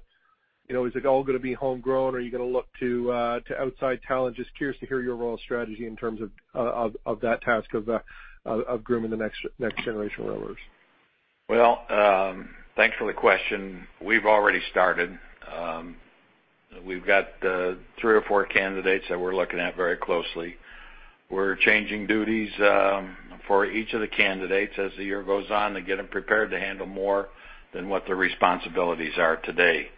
you know, is it all gonna be homegrown, or are you gonna look to outside talent? Just curious to hear your overall strategy in terms of that task of grooming the next generation of railroaders. Thanks for the question. We've already started. We've got three or four candidates that we're looking at very closely. We're changing duties for each of the candidates as the year goes on to get them prepared to handle more than what their responsibilities are today.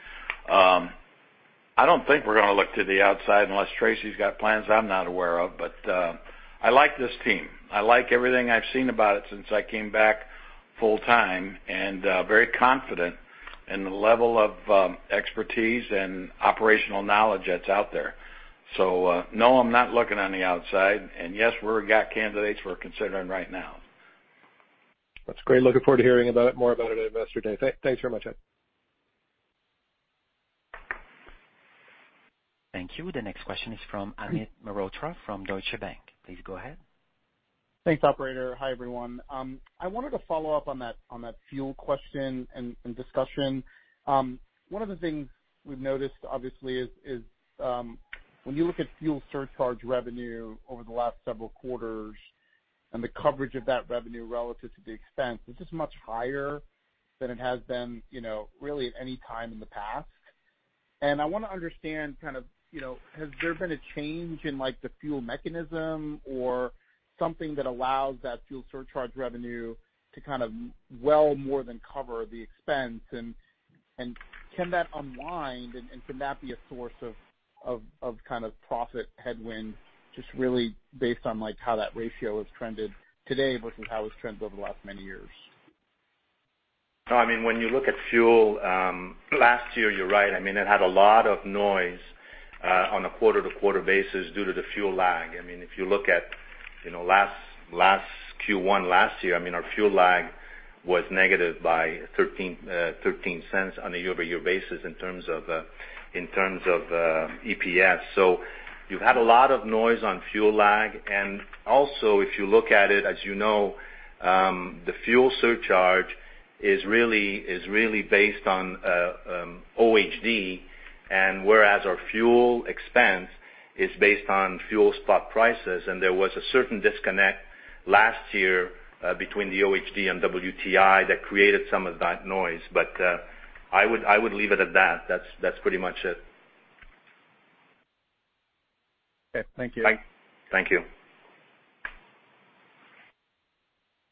I don't think we're gonna look to the outside unless Tracy's got plans I'm not aware of, I like this team. I like everything I've seen about it since I came back full time, very confident in the level of expertise and operational knowledge that's out there. No, I'm not looking on the outside, yes, we've got candidates we're considering right now. That's great. Looking forward to hearing about it, more about it at Investor Day. Thanks very much, Ed. Thank you. The next question is from Amit Mehrotra from Deutsche Bank. Please go ahead. Thanks, operator. Hi, everyone. I wanted to follow up on that fuel question and discussion. One of the things we've noticed obviously is when you look at fuel surcharge revenue over the last several quarters and the coverage of that revenue relative to the expense, this is much higher than it has been, you know, really at any time in the past. I wanna understand kind of, you know, has there been a change in, like, the fuel mechanism or something that allows that fuel surcharge revenue to kind of well more than cover the expense? Can that unwind, and can that be a source of kind of profit headwind, just really based on, like, how that ratio has trended today versus how it's trended over the last many years? No, I mean, when you look at fuel last year, you're right. I mean, it had a lot of noise on a quarter-to-quarter basis due to the fuel lag. I mean, if you look at, you know, last Q1 last year, I mean, our fuel lag was negative by 0.13 on a year-over-year basis in terms of EPS. You've had a lot of noise on fuel lag. If you look at it, as you know, the fuel surcharge is really based on OHE, and whereas our fuel expense is based on fuel spot prices. There was a certain disconnect last year between the OHE and WTI that created some of that noise. I would leave it at that. That's pretty much it. Okay. Thank you. Thank you.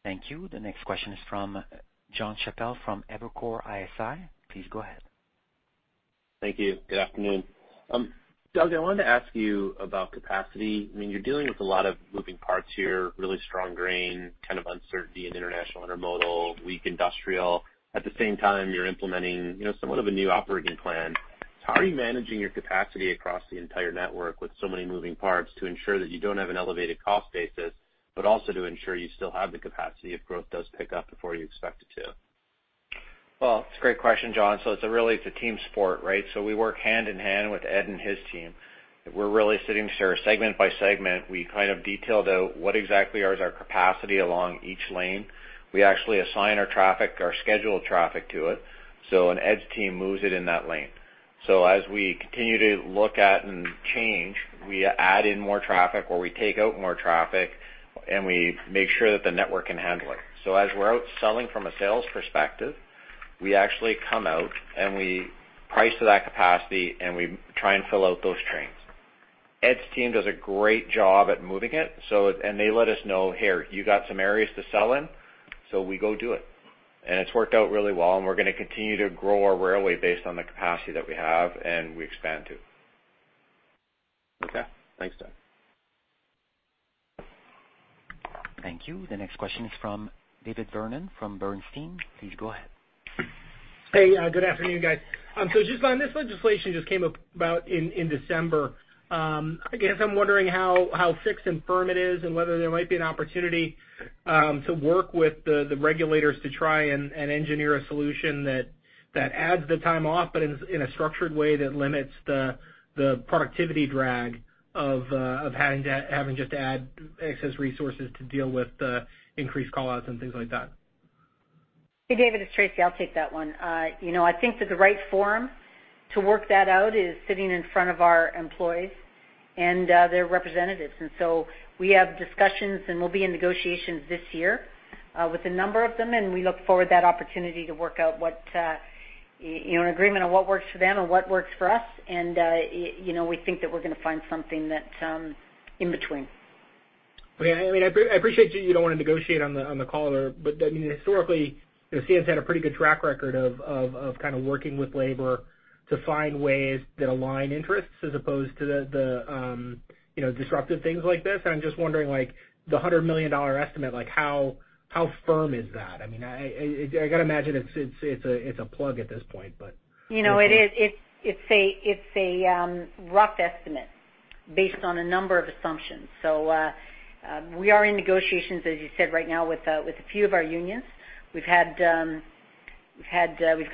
Thank you. The next question is from Jonathan Chappell from Evercore ISI. Please go ahead. Thank you. Good afternoon. Doug, I wanted to ask you about capacity. I mean, you're dealing with a lot of moving parts here, really strong grain, kind of uncertainty in international intermodal, weak industrial. At the same time, you're implementing, you know, somewhat of a new operating plan. How are you managing your capacity across the entire network with so many moving parts to ensure that you don't have an elevated cost basis, but also to ensure you still have the capacity if growth does pick up before you expect it to? Well, it's a great question, Jon. It's a really, it's a team sport, right? We work hand in hand with Ed and his team. We're really sitting here segment by segment. We kind of detailed out what exactly is our capacity along each lane. We actually assign our traffic, our scheduled traffic to it, so and Ed's team moves it in that lane. As we continue to look at and change, we add in more traffic or we take out more traffic, and we make sure that the network can handle it. As we're out selling from a sales perspective, we actually come out, and we price to that capacity, and we try and fill out those trains. Ed's team does a great job at moving it, so they let us know, "Here, you got some areas to sell in," so we go do it. It's worked out really well, and we're gonna continue to grow our railway based on the capacity that we have, and we expand too. Okay. Thanks, Doug. Thank you. The next question is from David Vernon from Bernstein. Please go ahead. Hey, good afternoon, guys. Just on this legislation just came about in December. I guess I'm wondering how fixed and firm it is and whether there might be an opportunity to work with the regulators to try and engineer a solution that adds the time off, but in a structured way that limits the productivity drag of having just to add excess resources to deal with the increased call-outs and things like that. Hey, David, it's Tracy. I'll take that one. you know, I think that the right forum to work that out is sitting in front of our employees and their representatives. We have discussions, and we'll be in negotiations this year with a number of them, and we look forward to that opportunity to work out what, you know, an agreement on what works for them and what works for us. you know, we think that we're gonna find something that in between. Okay. I mean, I appreciate you don't wanna negotiate on the call or. I mean, historically, you know, CN's had a pretty good track record of kinda working with labor to find ways that align interests as opposed to the, you know, disruptive things like this. I'm just wondering, like, the 100 million dollar estimate, like, how firm is that? I mean, I gotta imagine it's a plug at this point, but. You know, it is. It's a rough estimate based on a number of assumptions. We are in negotiations, as you said, right now with a few of our unions. We've got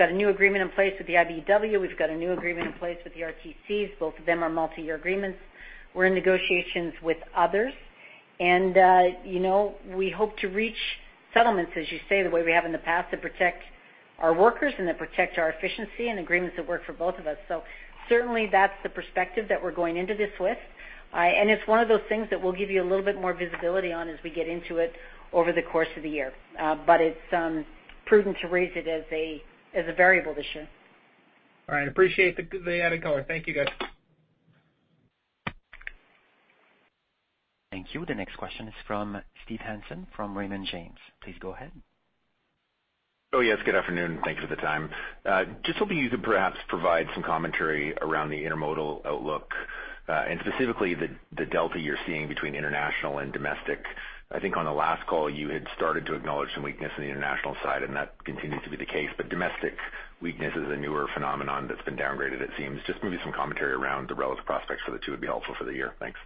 a new agreement in place with the IBEW. We've got a new agreement in place with the RTCs. Both of them are multi-year agreements. We're in negotiations with others. You know, we hope to reach settlements, as you say, the way we have in the past, that protect our workers and that protect our efficiency and agreements that work for both of us. Certainly, that's the perspective that we're going into this with. And it's one of those things that we'll give you a little bit more visibility on as we get into it over the course of the year. It's prudent to raise it as a, as a variable this year. All right. Appreciate the added color. Thank you, guys. Thank you. The next question is from Steve Hansen from Raymond James. Please go ahead. Oh, yes. Good afternoon. Thank you for the time. Just hoping you could perhaps provide some commentary around the intermodal outlook, and specifically the delta you're seeing between international and domestic. I think on the last call, you had started to acknowledge some weakness in the international side, and that continues to be the case. Domestic weakness is a newer phenomenon that's been downgraded, it seems. Just maybe some commentary around the relative prospects for the two would be helpful for the year. Thanks.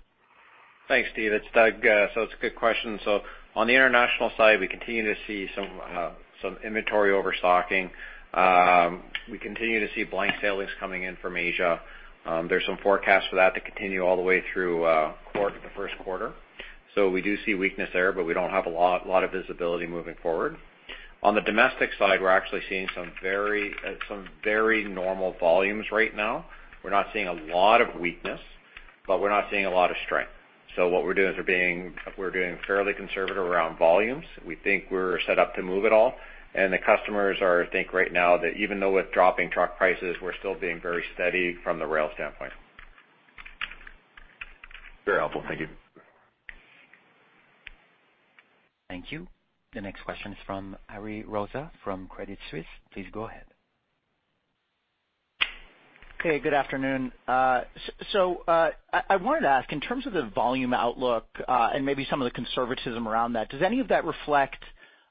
Thanks, Steve. It's Doug. It's a good question. On the international side, we continue to see some inventory overstocking. We continue to see blank sailings coming in from Asia. There's some forecasts for that to continue all the way through the first quarter. We do see weakness there, but we don't have a lot of visibility moving forward. On the domestic side, we're actually seeing some very normal volumes right now. We're not seeing a lot of weakness, but we're not seeing a lot of strength. What we're doing is we're being fairly conservative around volumes. We think we're set up to move it all, the customers are, I think, right now that even though with dropping truck prices, we're still being very steady from the rail standpoint. Very helpful. Thank you. Thank you. The next question is from Ariel Rosa from Credit Suisse. Please go ahead. Good afternoon. I wanted to ask, in terms of the volume outlook, and maybe some of the conservatism around that, does any of that reflect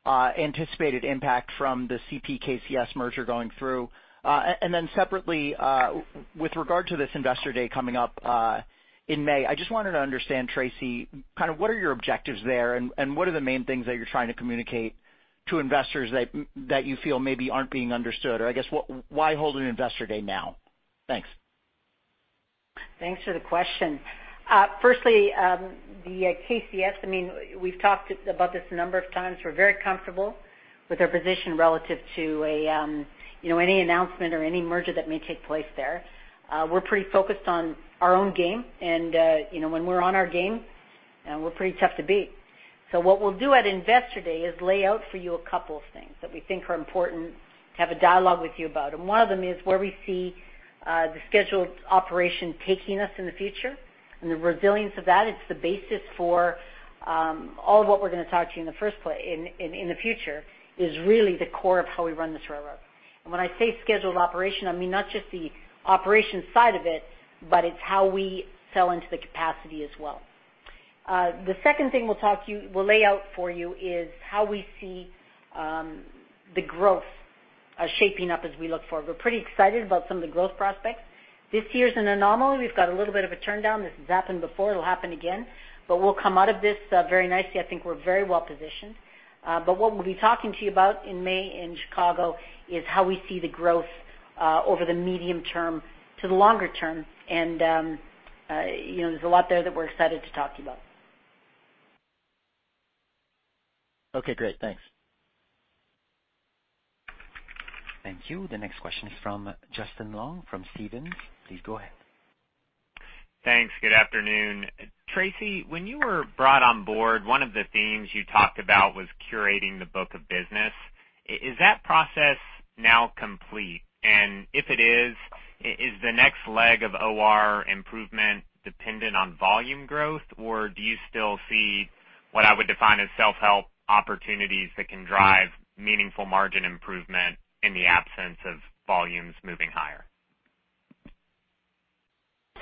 anticipated impact from the CPKC merger going through? Separately, with regard to this Investor Day coming up, in May, I just wanted to understand, Tracy, kind of what are your objectives there, and what are the main things that you're trying to communicate to investors that you feel maybe aren't being understood? What, why hold an Investor Day now? Thanks. Thanks for the question. Firstly, the KCS, I mean, we've talked about this a number of times. We're very comfortable with our position relative to a, you know, any announcement or any merger that may take place there. We're pretty focused on our own game, and you know, when we're on our game, we're pretty tough to beat. What we'll do at Investor Day is lay out for you a couple of things that we think are important to have a dialogue with you about. One of them is where we see the scheduled operation taking us in the future and the resilience of that. It's the basis for all of what we're gonna talk to you in the future is really the core of how we run this railroad. When I say scheduled operation, I mean not just the operation side of it, but it's how we sell into the capacity as well. The second thing we'll talk to you, we'll lay out for you is how we see the growth shaping up as we look forward. We're pretty excited about some of the growth prospects. This year is an anomaly. We've got a little bit of a turndown. This has happened before. It'll happen again, but we'll come out of this very nicely. I think we're very well-positioned. What we'll be talking to you about in May in Chicago is how we see the growth over the medium term to the longer term. You know, there's a lot there that we're excited to talk to you about. Okay, great. Thanks. Thank you. The next question is from Justin Long from Stephens. Please go ahead. Thanks. Good afternoon. Tracy, when you were brought on board, one of the themes you talked about was curating the book of business. Is that process now complete? And if it is the next leg of OR improvement dependent on volume growth? Or do you still see what I would define as self-help opportunities that can drive meaningful margin improvement in the absence of volumes moving higher?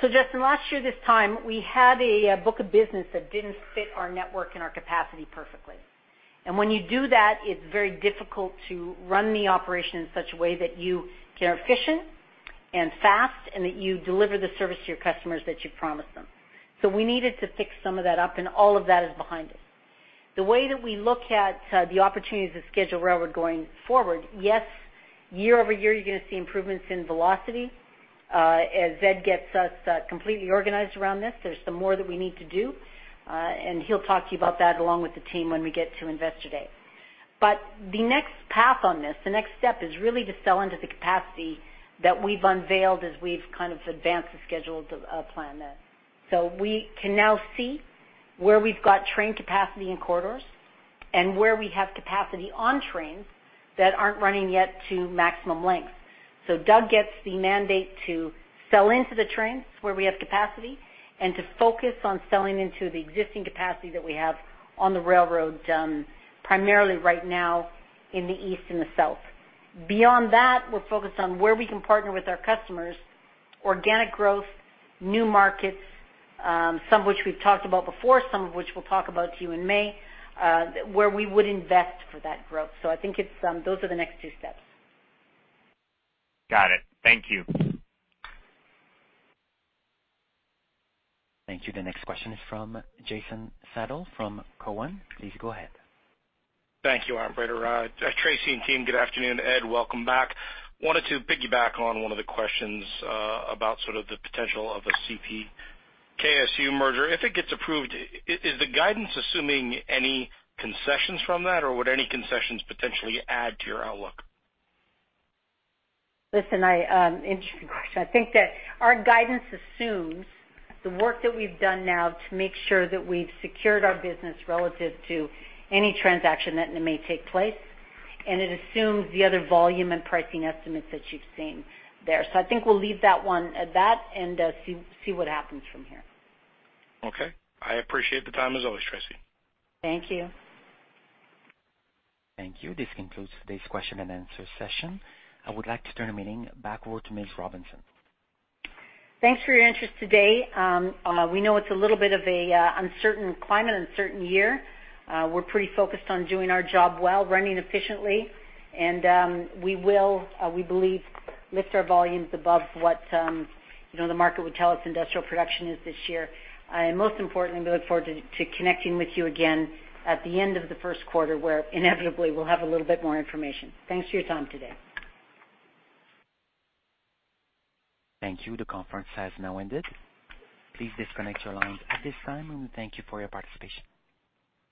Justin, last year, this time, we had a book of business that didn't fit our network and our capacity perfectly. When you do that, it's very difficult to run the operation in such a way that you are efficient and fast, and that you deliver the service to your customers that you've promised them. We needed to pick some of that up, all of that is behind it. The way that we look at the opportunities to schedule railroad going forward, yes, year-over-year, you're gonna see improvements in velocity. As Ed gets us completely organized around this, there's some more that we need to do, and he'll talk to you about that along with the team when we get to Investor Day. The next path on this, the next step is really to sell into the capacity that we've unveiled as we've kind of advanced the scheduled plan then. We can now see where we've got train capacity in corridors and where we have capacity on trains that aren't running yet to maximum length. Doug gets the mandate to sell into the trains where we have capacity and to focus on selling into the existing capacity that we have on the railroad, primarily right now in the East and the South. Beyond that, we're focused on where we can partner with our customers, organic growth, new markets, some of which we've talked about before, some of which we'll talk about to you in May, where we would invest for that growth. I think it's those are the next two steps. Got it. Thank you. Thank you. The next question is from Jason Seidl from Cowen. Please go ahead. Thank you, operator. Tracy and team, good afternoon. Ed, welcome back. Wanted to piggyback on one of the questions, about sort of the potential of a CPKC's merger. If it gets approved, is the guidance assuming any concessions from that, or would any concessions potentially add to your outlook? Listen, I. Interesting question. I think that our guidance assumes the work that we've done now to make sure that we've secured our business relative to any transaction that may take place, and it assumes the other volume and pricing estimates that you've seen there. I think we'll leave that one at that and see what happens from here. Okay. I appreciate the time as always, Tracy. Thank you. Thank you. This concludes today's question and answer session. I would like to turn the meeting back over to Ms. Robinson. Thanks for your interest today. We know it's a little bit of an uncertain climate, uncertain year. We're pretty focused on doing our job well, running efficiently, and we will, we believe, lift our volumes above what, you know, the market would tell us industrial production is this year. Most importantly, we look forward to connecting with you again at the end of the first quarter, where inevitably we'll have a little bit more information. Thanks for your time today. Thank you. The conference has now ended. Please disconnect your lines at this time, and we thank you for your participation.